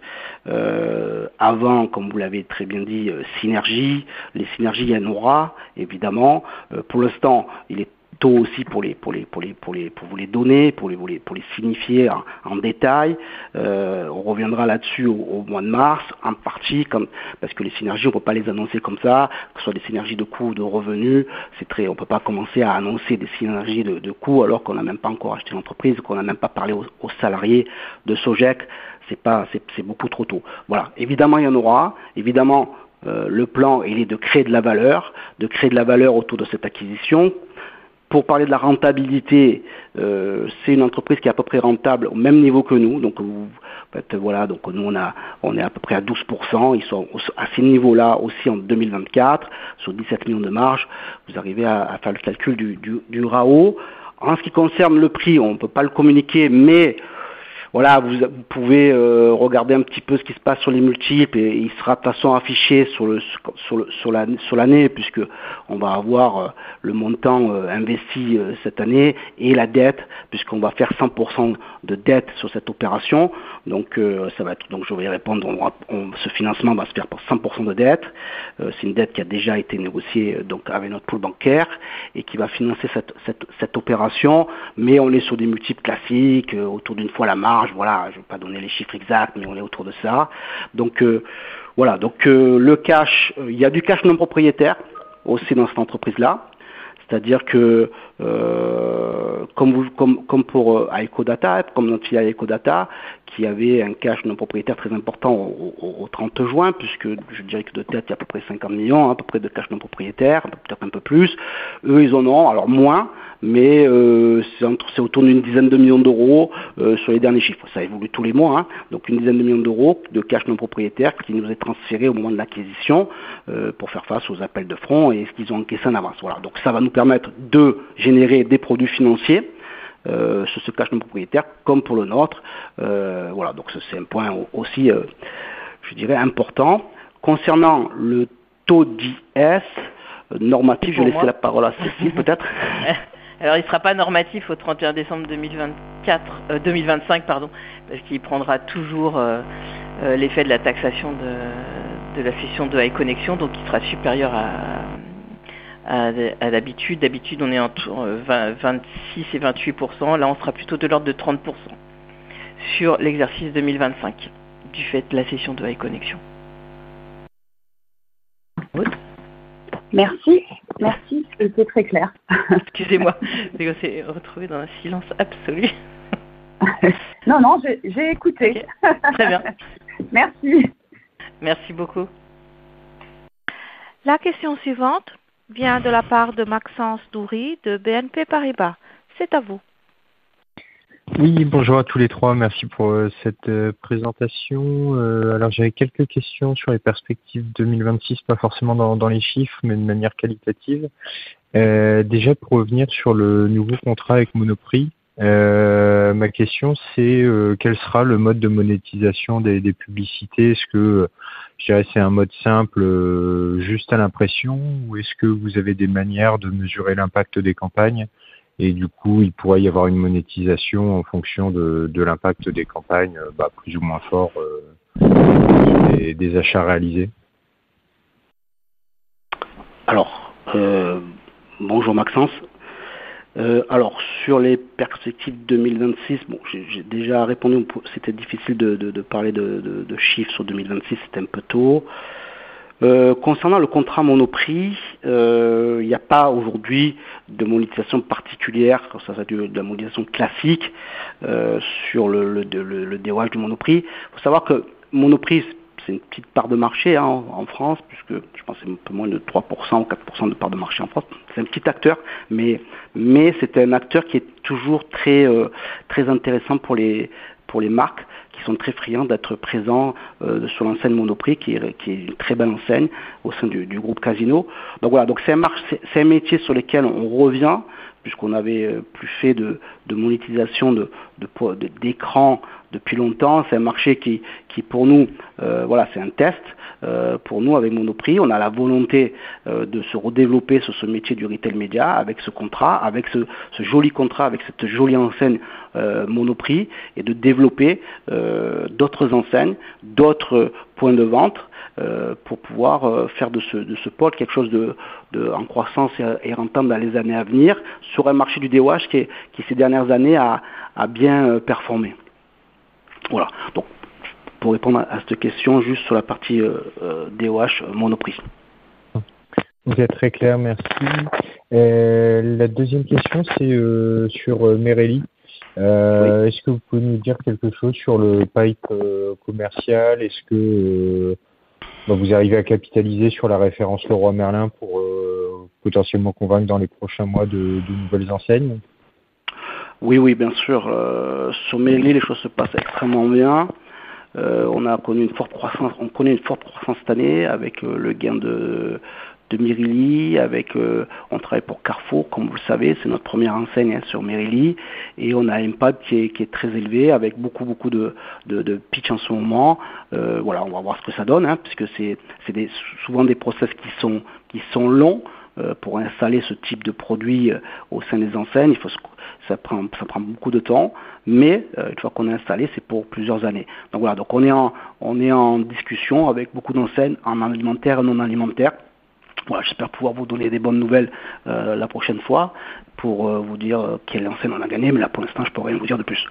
Avant, comme vous l'avez très bien dit, synergies. Les synergies, il y en aura, évidemment. Pour l'instant, il est tôt aussi pour vous les donner, pour les signifier en détail. On reviendra là-dessus au mois de mars, en partie, parce que les synergies, on ne peut pas les annoncer comme ça, que ce soit des synergies de coûts ou de revenus. C'est très, on ne peut pas commencer à annoncer des synergies de coûts alors qu'on n'a même pas encore acheté l'entreprise, qu'on n'a même pas parlé aux salariés de Sogec. C'est pas, c'est beaucoup trop tôt. Voilà. Évidemment, il y en aura. Évidemment, le plan, il est de créer de la valeur, de créer de la valeur autour de cette acquisition. Pour parler de la rentabilité, c'est une entreprise qui est à peu près rentable au même niveau que nous. Donc, vous voilà, donc nous, on est à peu près à 12%. Ils sont à ces niveaux-là aussi en 2024, sur 17 millions de marge. Vous arrivez à faire le calcul du RAO. En ce qui concerne le prix, on ne peut pas le communiquer, mais voilà, vous pouvez regarder un petit peu ce qui se passe sur les multiples et il sera de toute façon affiché sur l'année, puisqu'on va avoir le montant investi cette année et la dette, puisqu'on va faire 100% de dette sur cette opération. Donc, ça va être, donc je vais y répondre, ce financement va se faire pour 100% de dette. C'est une dette qui a déjà été négociée donc avec notre pool bancaire et qui va financer cette opération, mais on est sur des multiples classiques autour d'une fois la marge. Voilà, je ne vais pas donner les chiffres exacts, mais on est autour de ça. Donc voilà, donc le cash, il y a du cash non propriétaire aussi dans cette entreprise-là, c'est-à-dire que comme pour High Co Data, comme notre filiale High Co Data, qui avait un cash non propriétaire très important au 30 juin, puisque je dirais que de dette, il y a à peu près 50 millions, à peu près de cash non propriétaire, peut-être un peu plus. Eux, ils en ont alors moins, mais c'est autour d'une dizaine de millions d'euros sur les derniers chiffres. Ça évolue tous les mois, donc une dizaine de millions d'euros de cash non propriétaire qui nous est transféré au moment de l'acquisition pour faire face aux appels de front et qu'ils ont encaissé en avance. Voilà, donc ça va nous permettre de générer des produits financiers sur ce cash non propriétaire, comme pour le nôtre. Voilà, donc ça c'est un point aussi, je dirais, important. Concernant le taux d'IS normatif, je vais laisser la parole à Cécile peut-être. Alors, il ne sera pas normatif au 31 décembre 2025, pardon, parce qu'il prendra toujours l'effet de la taxation de la cession de High Connexion, donc il sera supérieur à d'habitude. D'habitude, on est entre 26% et 28%, là on sera plutôt de l'ordre de 30% sur l'exercice 2025, du fait de la cession de High Connexion. Maude? Merci, merci, c'était très clair. Excusez-moi, je me suis retrouvée dans un silence absolu. Non, non, j'ai écouté. Très bien. Merci. Merci beaucoup. La question suivante vient de la part de Maxence Doury de BNP Paribas. C'est à vous. Oui, bonjour à tous les trois, merci pour cette présentation. Alors, j'avais quelques questions sur les perspectives 2026, pas forcément dans les chiffres, mais de manière qualitative. Déjà, pour revenir sur le nouveau contrat avec Monoprix, ma question, c'est: quel sera le mode de monétisation des publicités? Est-ce que, je dirais, c'est un mode simple, juste à l'impression ou est-ce que vous avez des manières de mesurer l'impact des campagnes? Et du coup, il pourrait y avoir une monétisation en fonction de l'impact des campagnes, plus ou moins fort, et des achats réalisés? Alors, bonjour Maxence. Alors, sur les perspectives 2026, bon, j'ai déjà répondu, c'était difficile de parler de chiffres sur 2026, c'était un peu tôt. Concernant le contrat Monoprix, il n'y a pas aujourd'hui de monétisation particulière, comme ça s'appelle de la monétisation classique, sur le DOH de Monoprix. Il faut savoir que Monoprix, c'est une petite part de marché en France, puisque je pense que c'est un peu moins de 3%, 4% de parts de marché en France. C'est un petit acteur, mais c'est un acteur qui est toujours très très intéressant pour les marques, qui sont très friands d'être présents sur l'enseigne Monoprix, qui est une très belle enseigne au sein du groupe Casino. Donc voilà, donc c'est un métier sur lequel on revient, puisqu'on n'avait plus fait de monétisation d'écrans depuis longtemps. C'est un marché qui, pour nous, voilà, c'est un test. Pour nous, avec Monoprix, on a la volonté de se redévelopper sur ce métier du retail média avec ce contrat, avec ce joli contrat, avec cette jolie enseigne Monoprix et de développer d'autres enseignes, d'autres points de vente pour pouvoir faire de ce pôle quelque chose de croissant et rentable dans les années à venir sur un marché du DOH qui, ces dernières années, a bien performé. Voilà. Donc, pour répondre à cette question juste sur la partie DOH Monoprix. Vous êtes très clair, merci. La deuxième question, c'est sur Merrill. Est-ce que vous pouvez nous dire quelque chose sur le pipe commercial? Est-ce que vous arrivez à capitaliser sur la référence Leroy Merlin pour potentiellement convaincre dans les prochains mois de nouvelles enseignes? Oui, oui, bien sûr. Sur Merrill, les choses se passent extrêmement bien. On a connu une forte croissance, on connaît une forte croissance cette année avec le gain de Merrill. On travaille pour Carrefour, comme vous le savez, c'est notre première enseigne sur Merrill et on a un impact qui est très élevé avec beaucoup, beaucoup de pitchs en ce moment. On va voir ce que ça donne puisque c'est souvent des processus qui sont longs pour installer ce type de produit au sein des enseignes. Il faut que ça prenne beaucoup de temps, mais une fois qu'on est installé, c'est pour plusieurs années. Donc on est en discussion avec beaucoup d'enseignes en alimentaire et non alimentaire. J'espère pouvoir vous donner de bonnes nouvelles la prochaine fois pour vous dire quelle enseigne on a gagnée, mais là, pour l'instant, je ne peux rien vous dire de plus.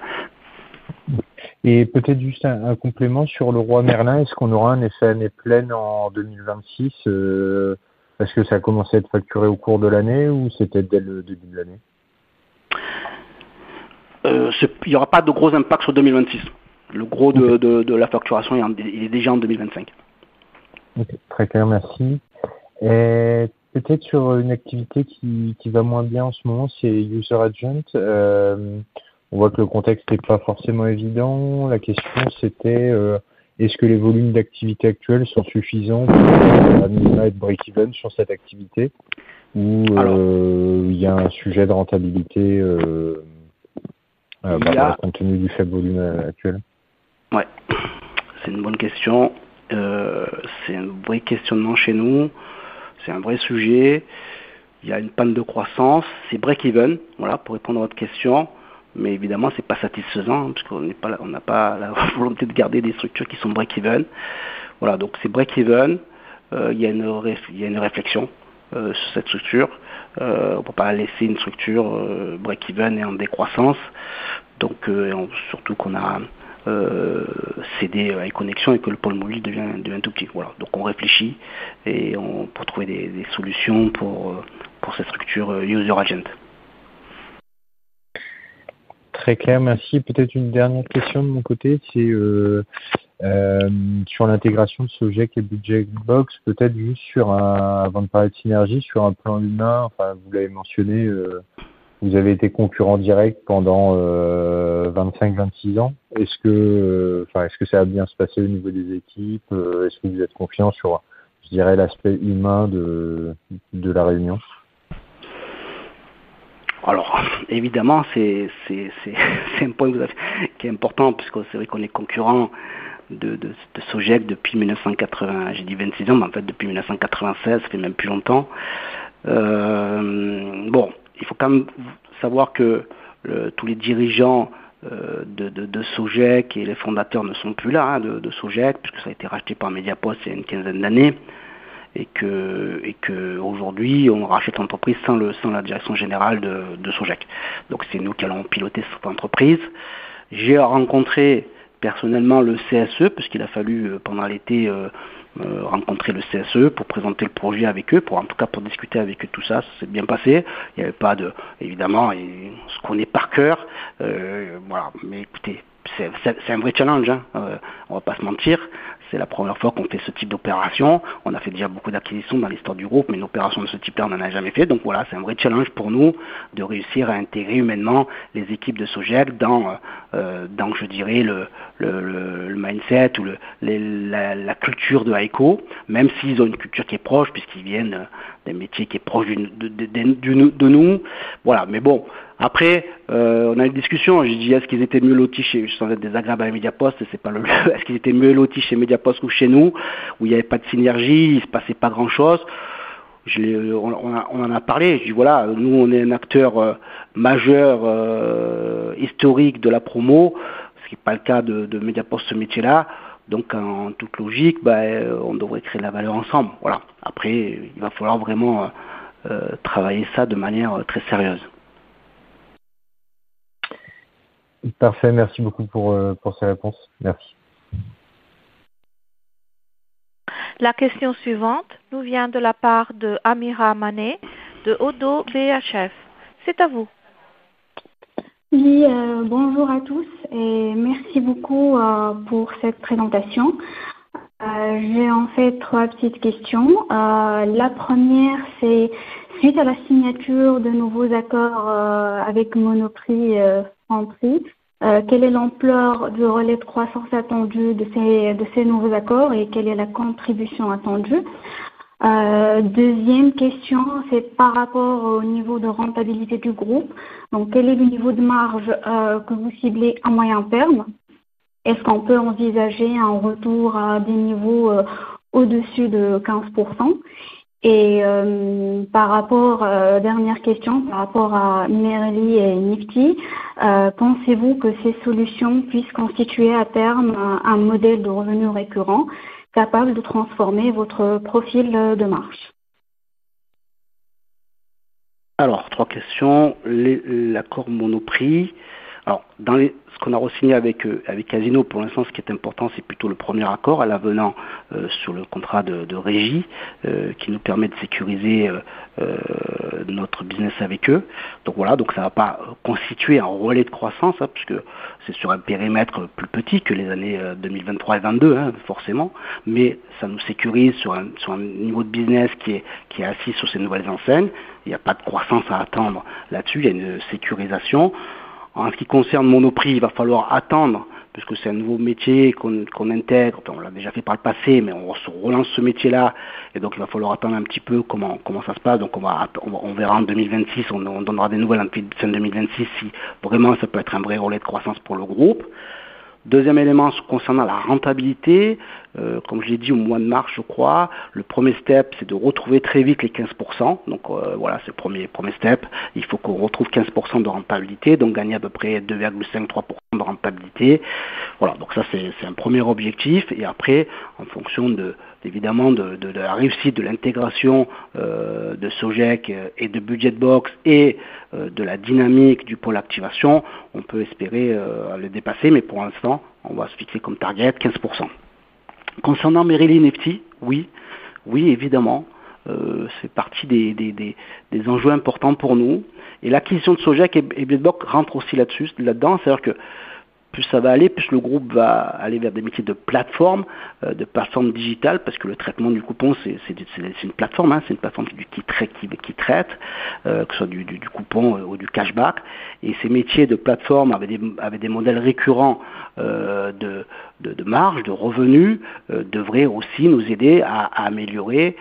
Et peut-être juste un complément sur Leroy Merlin, est-ce qu'on aura un SNP en 2026? Parce que ça a commencé à être facturé au cours de l'année ou c'est peut-être dès le début de l'année? Il n'y aura pas de gros impact sur 2026. Le gros de la facturation est déjà en 2025. Très clair, merci. Et peut-être sur une activité qui va moins bien en ce moment, c'est user agent. On voit que le contexte n'est pas forcément évident. La question, c'était: est-ce que les volumes d'activité actuels sont suffisants pour nous mettre break even sur cette activité ou il y a un sujet de rentabilité, compte tenu du fait de volume actuel? Oui, c'est une bonne question. C'est un vrai questionnement chez nous, c'est un vrai sujet. Il y a une panne de croissance, c'est break even, voilà, pour répondre à votre question. Mais évidemment, ce n'est pas satisfaisant puisqu'on n'a pas la volonté de garder des structures qui sont break even. Voilà, donc c'est break even. Il y a une réflexion sur cette structure. On ne peut pas laisser une structure break even et en décroissance. Donc, surtout qu'on a cédé à High Connexion et que le pôle mobile devient tout petit. Voilà, donc on réfléchit et on peut trouver des solutions pour ces structures. Très clair, merci. Peut-être une dernière question de mon côté, c'est sur l'intégration de Sogec et Budget Box. Peut-être juste sur un, avant de parler de synergie, sur un plan humain, vous l'avez mentionné, vous avez été concurrents directs pendant 25-26 ans. Est-ce que ça va bien se passer au niveau des équipes? Est-ce que vous êtes confiants sur, je dirais, l'aspect humain de la réunion? Alors, évidemment, c'est un point que vous avez qui est important puisque c'est vrai qu'on est concurrents de Sogec depuis 1980, j'ai dit 26 ans, mais en fait depuis 1996, c'est même plus longtemps. Bon, il faut quand même savoir que tous les dirigeants de Sogec et les fondateurs ne sont plus là, de Sogec, puisque ça a été racheté par Mediapost il y a une quinzaine d'années et qu'aujourd'hui, on rachète l'entreprise sans la direction générale de Sogec. Donc, c'est nous qui allons piloter cette entreprise. J'ai rencontré personnellement le CSE puisqu'il a fallu pendant l'été rencontrer le CSE pour présenter le projet avec eux, pour en tout cas pour discuter avec eux tout ça. Ça s'est bien passé. Il n'y avait pas de, évidemment, on se connaît par cœur. Voilà. Mais écoutez, c'est un vrai challenge, on ne va pas se mentir. C'est la première fois qu'on fait ce type d'opération. On a fait déjà beaucoup d'acquisitions dans l'histoire du groupe, mais une opération de ce type-là, on n'en a jamais fait. Donc voilà, c'est un vrai challenge pour nous de réussir à intégrer humainement les équipes de Sogec dans, je dirais, le mindset ou la culture de High Co, même s'ils ont une culture qui est proche puisqu'ils viennent d'un métier qui est proche de nous. Voilà. Mais bon, après, on a eu une discussion. Je dis: est-ce qu'ils étaient mieux lotis? Je suis sans être désagréable à Mediapost, ce n'est pas le jeu. Est-ce qu'ils étaient mieux lotis chez Mediapost ou chez nous? Ou il n'y avait pas de synergie? Il ne se passait pas grand-chose? J'ai, on en a parlé. Je dis: voilà, nous, on est un acteur majeur historique de la promo, ce qui n'est pas le cas de Mediapost, ce métier-là. Donc, en toute logique, on devrait créer de la valeur ensemble. Voilà. Après, il va falloir vraiment travailler ça de manière très sérieuse. Parfait, merci beaucoup pour ces réponses. Merci. La question suivante nous vient de la part d'Amira Manet de Oddo BHF. C'est à vous. Oui, bonjour à tous et merci beaucoup pour cette présentation. J'ai en fait trois petites questions. La première, c'est: suite à la signature de nouveaux accords avec Monoprix Franprix, quelle est l'ampleur du relais de croissance attendu de ces nouveaux accords et quelle est la contribution attendue? Deuxième question, c'est par rapport au niveau de rentabilité du groupe. Donc, quel est le niveau de marge que vous ciblez à moyen terme? Est-ce qu'on peut envisager un retour à des niveaux au-dessus de 15 %? Et par rapport à la dernière question, par rapport à Merrill et Nifty, pensez-vous que ces solutions puissent constituer à terme un modèle de revenu récurrent capable de transformer votre profil de marge? Alors, trois questions. L'accord Monoprix, alors dans ce qu'on a resigné avec Casino pour l'instant, ce qui est important, c'est plutôt le premier accord à l'avenant sur le contrat de régie qui nous permet de sécuriser notre business avec eux. Donc voilà, donc ça ne va pas constituer un relais de croissance puisque c'est sur un périmètre plus petit que les années 2023 et 22, forcément, mais ça nous sécurise sur un niveau de business qui est assis sur ces nouvelles enseignes. Il n'y a pas de croissance à attendre là-dessus, il y a une sécurisation. En ce qui concerne Monoprix, il va falloir attendre puisque c'est un nouveau métier qu'on intègre. On l'a déjà fait par le passé, mais on se relance ce métier-là et donc il va falloir attendre un petit peu comment ça se passe. Donc on verra en 2026, on donnera des nouvelles en 2026 si vraiment ça peut être un vrai relais de croissance pour le groupe. Deuxième élément concernant la rentabilité, comme je l'ai dit au mois de mars, je crois, le premier step, c'est de retrouver très vite les 15%. Donc voilà, c'est le premier step, il faut qu'on retrouve 15% de rentabilité, donc gagner à peu près 2,5-3% de rentabilité. Voilà, donc ça, c'est un premier objectif. Et après, en fonction de, évidemment, de la réussite de l'intégration de Sogec et de Budget Box et de la dynamique du pôle activation, on peut espérer le dépasser, mais pour l'instant, on va se fixer comme target 15%. Concernant Merrill et Nifty, oui, oui, évidemment, c'est partie des enjeux importants pour nous. Et l'acquisition de Sogec et Budget Box rentre aussi là-dessus, là-dedans, c'est-à-dire que plus ça va aller, plus le groupe va aller vers des métiers de plateforme, de plateforme digitale, parce que le traitement du coupon, c'est une plateforme, c'est une plateforme qui traite, que ce soit du coupon ou du cashback. Et ces métiers de plateforme avec des modèles récurrents de marge, de revenu, devraient aussi nous aider à améliorer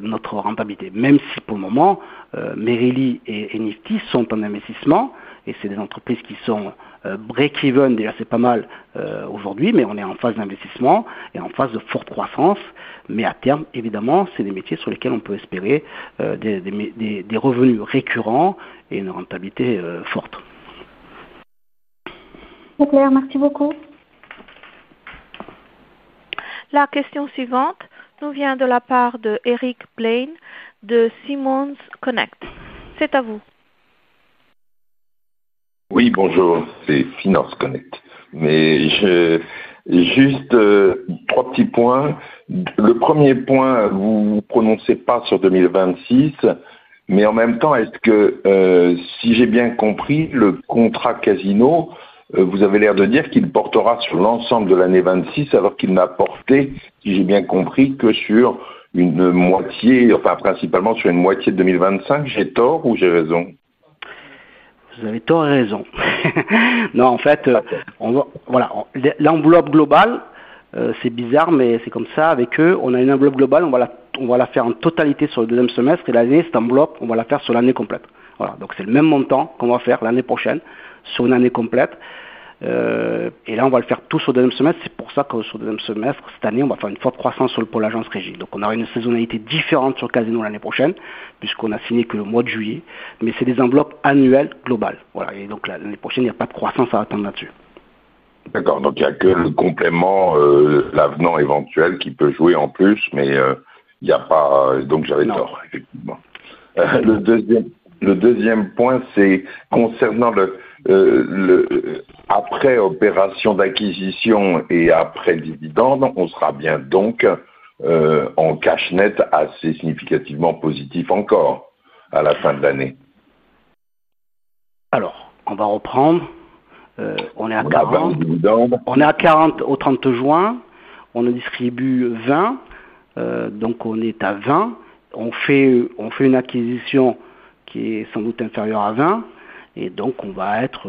notre rentabilité. Même si pour le moment, Merrill et Nifty sont en investissement et ce sont des entreprises qui sont break even, déjà c'est pas mal aujourd'hui, mais on est en phase d'investissement et en phase de forte croissance. Mais à terme, évidemment, ce sont des métiers sur lesquels on peut espérer des revenus récurrents et une rentabilité forte. C'est clair, merci beaucoup. La question suivante nous vient de la part d'Eric Blaine de Seamour's Connect. C'est à vous. Oui, bonjour, c'est Seamour's Connect. Mais juste un petit point. Le premier point, vous ne vous prononcez pas sur 2026, mais en même temps, est-ce que si j'ai bien compris, le contrat Casino, vous avez l'air de dire qu'il portera sur l'ensemble de l'année 2026, alors qu'il n'a porté, si j'ai bien compris, que sur une moitié, enfin principalement sur une moitié de 2025. J'ai tort ou j'ai raison? Vous avez tort et raison. Non, en fait, voilà, l'enveloppe globale, c'est bizarre, mais c'est comme ça avec eux, on a une enveloppe globale, on va la faire en totalité sur le deuxième semestre, et l'année, cette enveloppe, on va la faire sur l'année complète. Voilà, donc c'est le même montant qu'on va faire l'année prochaine sur une année complète. Et là, on va le faire tout sur le deuxième semestre, c'est pour ça que sur le deuxième semestre, cette année, on va faire une forte croissance sur le pôle agence régie. Donc, on aura une saisonnalité différente sur Casino l'année prochaine, puisqu'on a signé que le mois de juillet, mais ce sont des enveloppes annuelles globales. Voilà, et donc l'année prochaine, il n'y a pas de croissance à attendre là-dessus. D'accord, donc il n'y a que le complément, l'avenant éventuel qui peut jouer en plus, mais il n'y a pas, donc j'avais tort. Non, effectivement. Le deuxième point, c'est concernant le après opération d'acquisition et après le dividende, on sera bien donc en cash net assez significativement positif encore à la fin de l'année? Alors, on va reprendre. On est à 40. On est à 40 dividendes. On est à 40 au 30 juin, on en distribue 20, donc on est à 20, on fait une acquisition qui est sans doute inférieure à 20, et donc on va être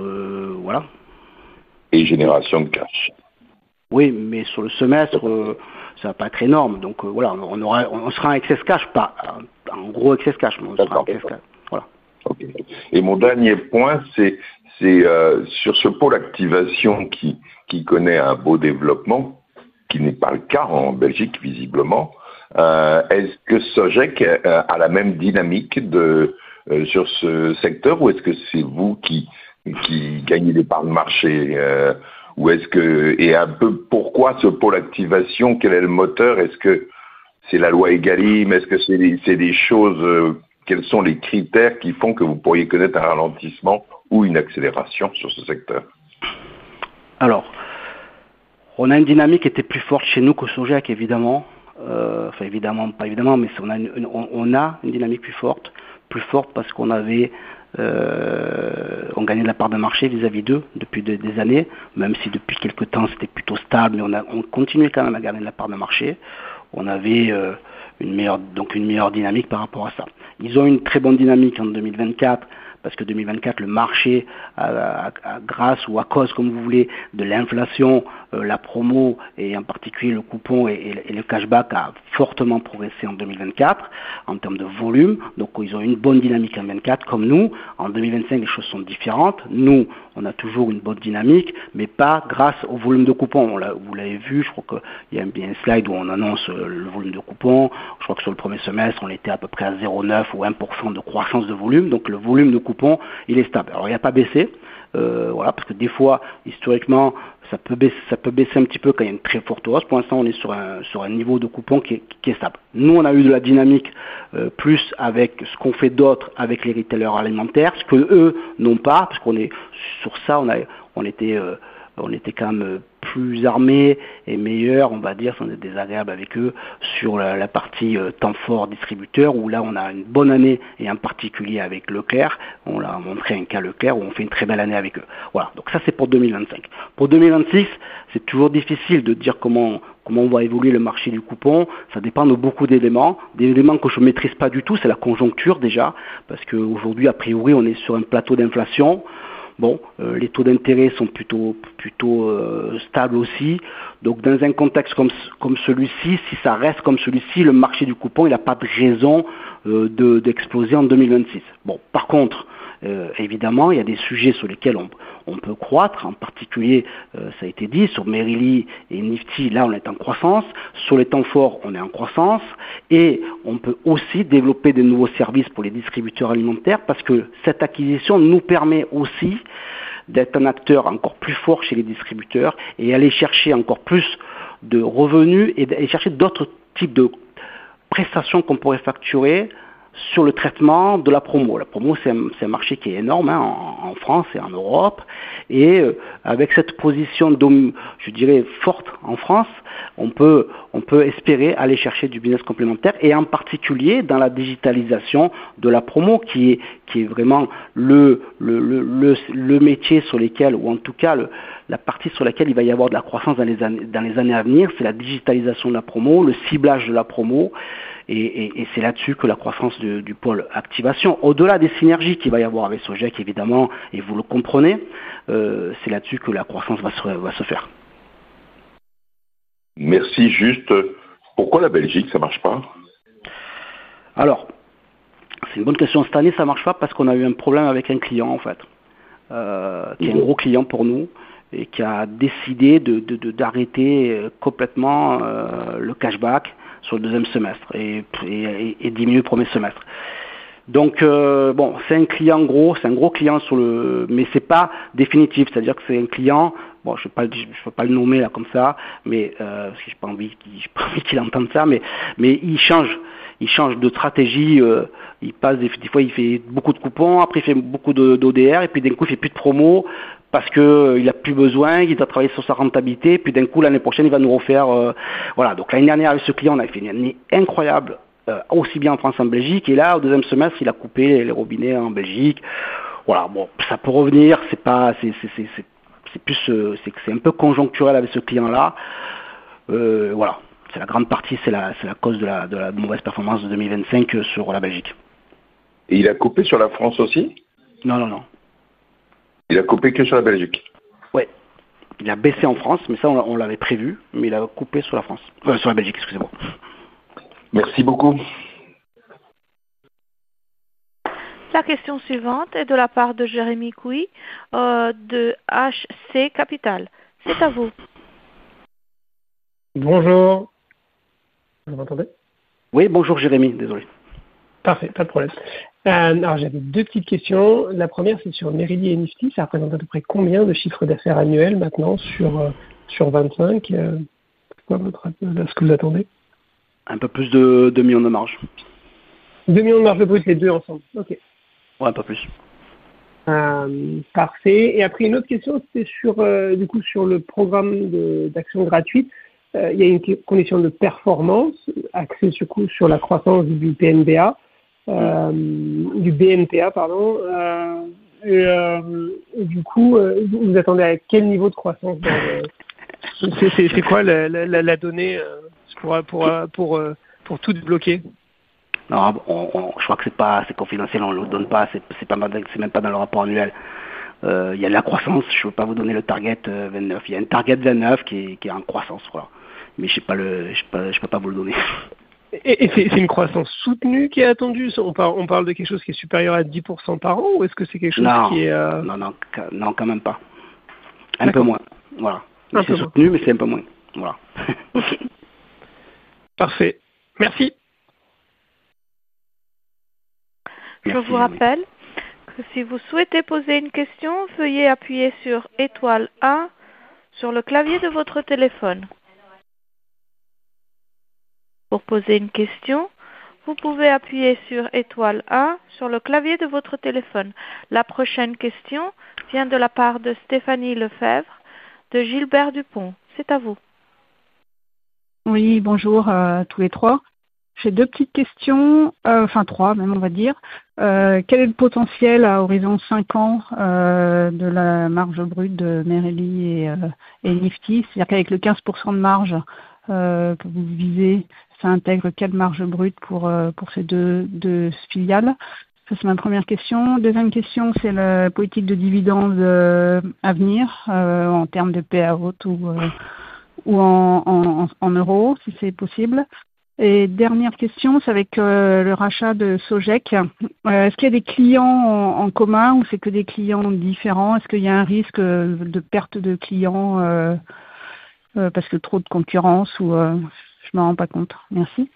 voilà. Et génération de cash. Oui, mais sur le semestre, ça ne va pas être énorme, donc voilà, on sera en excess cash, pas en gros excess cash, mais on sera en excess cash. D'accord. Voilà. Et mon dernier point, c'est sur ce pôle activation qui connaît un beau développement, qui n'est pas le cas en Belgique visiblement. Est-ce que Sogec a la même dynamique sur ce secteur ou est-ce que c'est vous qui gagnez des parts de marché ou est-ce que, et un peu pourquoi ce pôle activation, quel est le moteur? Est-ce que c'est la loi Egalim, est-ce que ce sont des choses, quels sont les critères qui font que vous pourriez connaître un ralentissement ou une accélération sur ce secteur? Alors, on a une dynamique qui était plus forte chez nous que Sogec, évidemment. Enfin évidemment, pas évidemment, mais on a une dynamique plus forte, plus forte parce qu'on avait on gagnait de la part de marché vis-à-vis d'eux depuis des années, même si depuis quelque temps, c'était plutôt stable, mais on continuait quand même à gagner de la part de marché. On avait une meilleure donc une dynamique par rapport à ça. Ils ont eu une très bonne dynamique en 2024, parce que 2024, le marché grâce ou à cause, comme vous voulez, de l'inflation, la promo et en particulier le coupon et le cashback a fortement progressé en 2024 en termes de volume. Donc, ils ont eu une bonne dynamique en 2024. Comme nous, en 2025, les choses sont différentes. Nous, on a toujours une bonne dynamique, mais pas grâce au volume de coupons. Vous l'avez vu, je crois qu'il y a un slide où on annonce le volume de coupons. Je crois que sur le premier semestre, on était à peu près à 0,9 ou 1% de croissance de volume, donc le volume de coupons, il est stable. Alors, il n'a pas baissé, voilà, parce que des fois, historiquement, ça peut baisser un petit peu quand il y a une très forte hausse. Pour l'instant, on est sur un niveau de coupons qui est stable. Nous, on a eu de la dynamique plus avec ce qu'on fait d'autres avec les retailers alimentaires, ce qu'eux n'ont pas, parce que sur ça, on était quand même plus armés et meilleurs, on va dire, sans être désagréables avec eux sur la partie temps fort distributeur où là, on a une bonne année et en particulier avec Leclerc. On a montré un cas Leclerc où on fait une très belle année avec eux. Voilà, donc ça, c'est pour 2025. Pour 2026, c'est toujours difficile de dire comment on va évoluer le marché du coupon, ça dépend de beaucoup d'éléments, des éléments que je ne maîtrise pas du tout, c'est la conjoncture déjà, parce qu'aujourd'hui, a priori, on est sur un plateau d'inflation. Bon, les taux d'intérêt sont plutôt stables aussi. Donc, dans un contexte comme celui-ci, si ça reste comme celui-ci, le marché du coupon, il n'a pas de raison d'exploser en 2026. Bon, par contre, évidemment, il y a des sujets sur lesquels on peut croître, en particulier, ça a été dit, sur Merrill et Nifty, là, on est en croissance, sur les temps forts, on est en croissance, et on peut aussi développer de nouveaux services pour les distributeurs alimentaires, parce que cette acquisition nous permet aussi d'être un acteur encore plus fort chez les distributeurs et aller chercher encore plus de revenus et aller chercher d'autres types de prestations qu'on pourrait facturer sur le traitement de la promo. La promo, c'est un marché qui est énorme en France et en Europe, et avec cette position, je dirais, forte en France, on peut espérer aller chercher du business complémentaire, et en particulier dans la digitalisation de la promo, qui est vraiment le métier sur lequel, ou en tout cas, la partie sur laquelle il va y avoir de la croissance dans les années à venir, c'est la digitalisation de la promo, le ciblage de la promo, et c'est là-dessus que la croissance du pôle activation, au-delà des synergies qu'il va y avoir avec Sogec, évidemment, et vous le comprenez, c'est là-dessus que la croissance va se faire. Merci. Juste, pourquoi la Belgique, ça ne marche pas? Alors, c'est une bonne question. Cette année, ça ne marche pas parce qu'on a eu un problème avec un client, en fait, qui est un gros client pour nous et qui a décidé d'arrêter complètement le cashback sur le deuxième semestre et diminuer le premier semestre. Donc, bon, c'est un gros client, mais ce n'est pas définitif, c'est-à-dire que c'est un client, bon, je ne peux pas le nommer là comme ça, mais parce que je n'ai pas envie qu'il entende ça, mais il change, il change de stratégie, il passe des fois, il fait beaucoup de coupons, après il fait beaucoup d'ODR, et puis d'un coup, il ne fait plus de promo parce qu'il n'a plus besoin, il doit travailler sur sa rentabilité, et puis d'un coup, l'année prochaine, il va nous refaire. Voilà. Donc, l'année dernière, avec ce client, on a fait une année incroyable, aussi bien en France qu'en Belgique, et là, au deuxième semestre, il a coupé les robinets en Belgique. Voilà, bon, ça peut revenir, ce n'est pas conjoncturel avec ce client-là. Voilà, c'est la grande partie, c'est la cause de la mauvaise performance de 2025 sur la Belgique. Et il a coupé sur la France aussi? Non, non, non. Il a coupé que sur la Belgique? Oui. Il a baissé en France, mais ça, on l'avait prévu, mais il a chuté sur la France, sur la Belgique, excusez-moi. Merci beaucoup. La question suivante est de la part de Jérémy Couy de HC Capital. C'est à vous. Bonjour. Vous m'entendez? Oui, bonjour Jérémy, désolé. Parfait, pas de problème. Alors, j'avais deux petites questions. La première, c'est sur Merrill et Nifty, ça représente à peu près combien de chiffre d'affaires annuel maintenant sur 2025? C'est quoi votre... Est-ce que vous attendez? Un peu plus de deux millions de marge. Deux millions de marge de plus, les deux ensemble. Okay. Ouais, pas plus. Parfait. Et après, une autre question, c'était sur, du coup, sur le programme d'action gratuite. Il y a une condition de performance axée surtout sur la croissance du BNPA, du BNPA, pardon. Et du coup, vous vous attendez à quel niveau de croissance dans le? C'est quoi la donnée pour tout bloquer? Alors, je crois que ce n'est pas assez confidentiel, on ne le donne pas, ce n'est même pas dans le rapport annuel. Il y a de la croissance, je ne peux pas vous donner le target 29. Il y a un target 29 qui est en croissance, voilà. Mais je ne peux pas vous le donner. Et c'est une croissance soutenue qui est attendue? On parle de quelque chose qui est supérieur à 10% par an ou est-ce que c'est quelque chose qui est? Non, non, non, quand même pas. Un peu moins. Voilà. C'est soutenu, mais c'est un peu moins. Voilà. Okay. Parfait. Merci. Je vous rappelle que si vous souhaitez poser une question, veuillez appuyer sur étoile 1 sur le clavier de votre téléphone. Pour poser une question, vous pouvez appuyer sur étoile 1 sur le clavier de votre téléphone. La prochaine question vient de la part de Stéphanie Lefèvre de Gilbert Dupont. C'est à vous. Oui, bonjour à tous les trois. J'ai deux petites questions, enfin trois, même, on va dire. Quel est le potentiel à horizon cinq ans de la marge brute de Merrill et Nifty? C'est-à-dire qu'avec les 15% de marge que vous visez, ça intègre quelle marge brute pour ces deux filiales? Ça, c'est ma première question. Deuxième question, c'est la politique de dividendes à venir en termes de PAO ou en euros, si c'est possible. Et dernière question, c'est avec le rachat de Sogec. Est-ce qu'il y a des clients en commun ou c'est que des clients différents? Est-ce qu'il y a un risque de perte de clients parce qu'il y a trop de concurrence ou je ne me rends pas compte? Merci.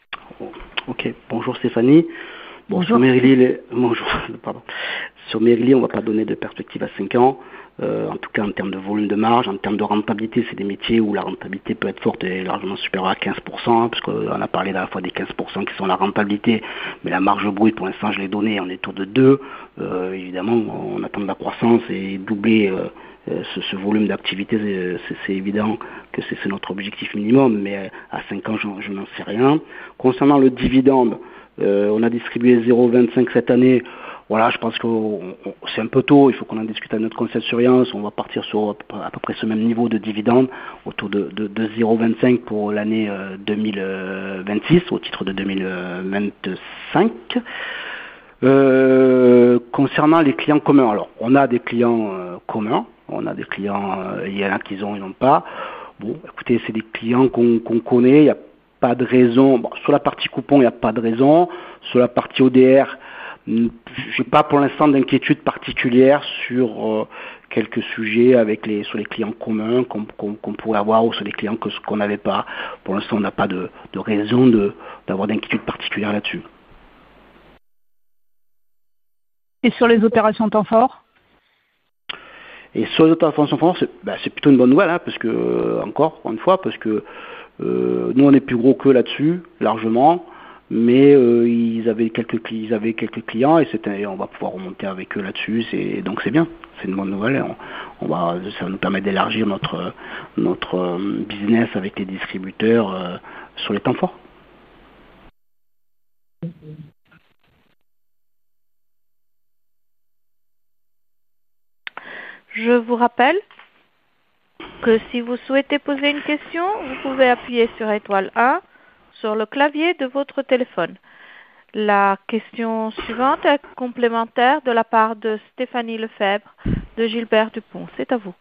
Okay. Bonjour Stéphanie. Bonjour. Sur Merrill, bonjour, pardon. Sur Merrill, on ne va pas donner de perspective à cinq ans. En tout cas, en termes de volume de marge, en termes de rentabilité, ce sont des métiers où la rentabilité peut être forte et largement supérieure à 15%, puisqu'on a parlé à la fois des 15% qui sont la rentabilité, mais la marge brute, pour l'instant, je l'ai donnée, on est autour de 2. Évidemment, on attend de la croissance et doubler ce volume d'activité, c'est évident que c'est notre objectif minimum, mais à cinq ans, je n'en sais rien. Concernant le dividende, on a distribué €0,25 cette année. Voilà, je pense que c'est un peu tôt, il faut qu'on en discute à notre conseil de surveillance. On va partir sur à peu près ce même niveau de dividende, autour de €0,25 pour l'année 2026, au titre de 2025. Concernant les clients communs, alors on a des clients communs, on a des clients, il y en a qui ont ou qui n'ont pas. Écoutez, ce sont des clients qu'on connaît, il n'y a pas de raison. Sur la partie coupon, il n'y a pas de raison. Sur la partie ODR, je n'ai pas pour l'instant d'inquiétude particulière sur quelques sujets sur les clients communs qu'on pourrait avoir ou sur les clients qu'on n'avait pas. Pour l'instant, on n'a pas de raison d'avoir d'inquiétude particulière là-dessus. Et sur les opérations de temps fort? Et sur les opérations de temps fort, c'est plutôt une bonne nouvelle, parce que, encore une fois, nous, on est plus gros qu'eux là-dessus, largement, mais ils avaient quelques clients et on va pouvoir remonter avec eux là-dessus, donc c'est bien. C'est une bonne nouvelle, et ça nous permet d'élargir notre business avec les distributeurs sur les temps forts. Je vous rappelle que si vous souhaitez poser une question, vous pouvez appuyer sur étoile 1 sur le clavier de votre téléphone. La question suivante est complémentaire de la part de Stéphanie Lefèvre de Gilbert Dupont. C'est à vous.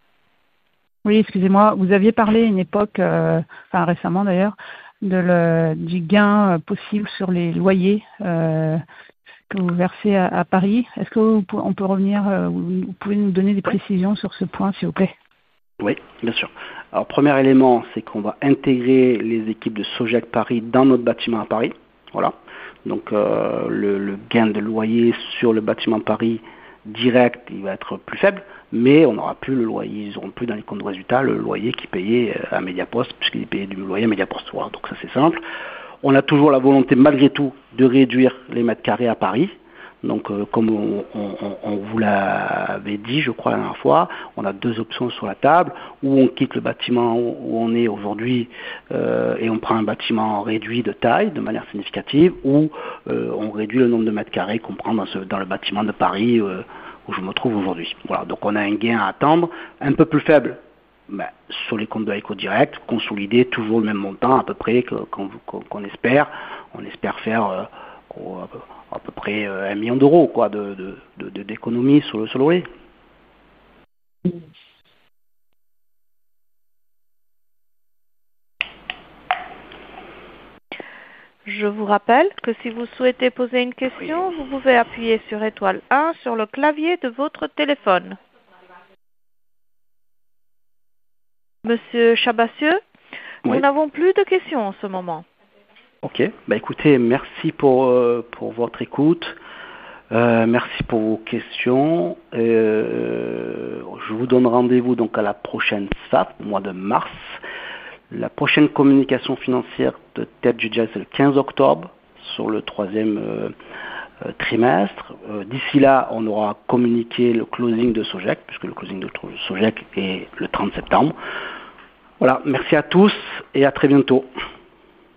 Oui, excusez-moi, vous aviez parlé à une époque, enfin récemment d'ailleurs, du gain possible sur les loyers que vous versez à Paris. Est-ce qu'on peut revenir? Vous pouvez nous donner des précisions sur ce point, s'il vous plaît? Oui, bien sûr. Alors, premier élément, c'est qu'on va intégrer les équipes de Sogec Paris dans notre bâtiment à Paris. Voilà. Donc, le gain de loyer sur le bâtiment Paris direct, il va être plus faible, mais on n'aura plus le loyer, ils n'auront plus dans les comptes de résultat le loyer qui est payé à Mediapost, puisqu'il est payé du loyer à Mediapost. Donc, ça, c'est simple. On a toujours la volonté, malgré tout, de réduire les mètres carrés à Paris. Donc, comme on vous l'avait dit, je crois, la dernière fois, on a deux options sur la table: ou on quitte le bâtiment où on est aujourd'hui et on prend un bâtiment réduit de taille de manière significative, ou on réduit le nombre de mètres carrés qu'on prend dans le bâtiment de Paris où je me trouve aujourd'hui. Voilà. Donc, on a un gain à attendre un peu plus faible, mais sur les comptes de High Co direct, consolidés toujours au même montant à peu près qu'on espère. On espère faire à peu près un million d'euros d'économies sur le loyer. Je vous rappelle que si vous souhaitez poser une question, vous pouvez appuyer sur étoile 1 sur le clavier de votre téléphone. Monsieur Chabassieux, nous n'avons plus de questions en ce moment. Okay. Écoutez, merci pour votre écoute, merci pour vos questions. Je vous donne rendez-vous donc à la prochaine SAP au mois de mars. La prochaine communication financière peut-être du 15 octobre sur le troisième trimestre. D'ici là, on aura communiqué le closing de Sogec puisque le closing de Sogec est le 30 septembre. Voilà, merci à tous et à très bientôt.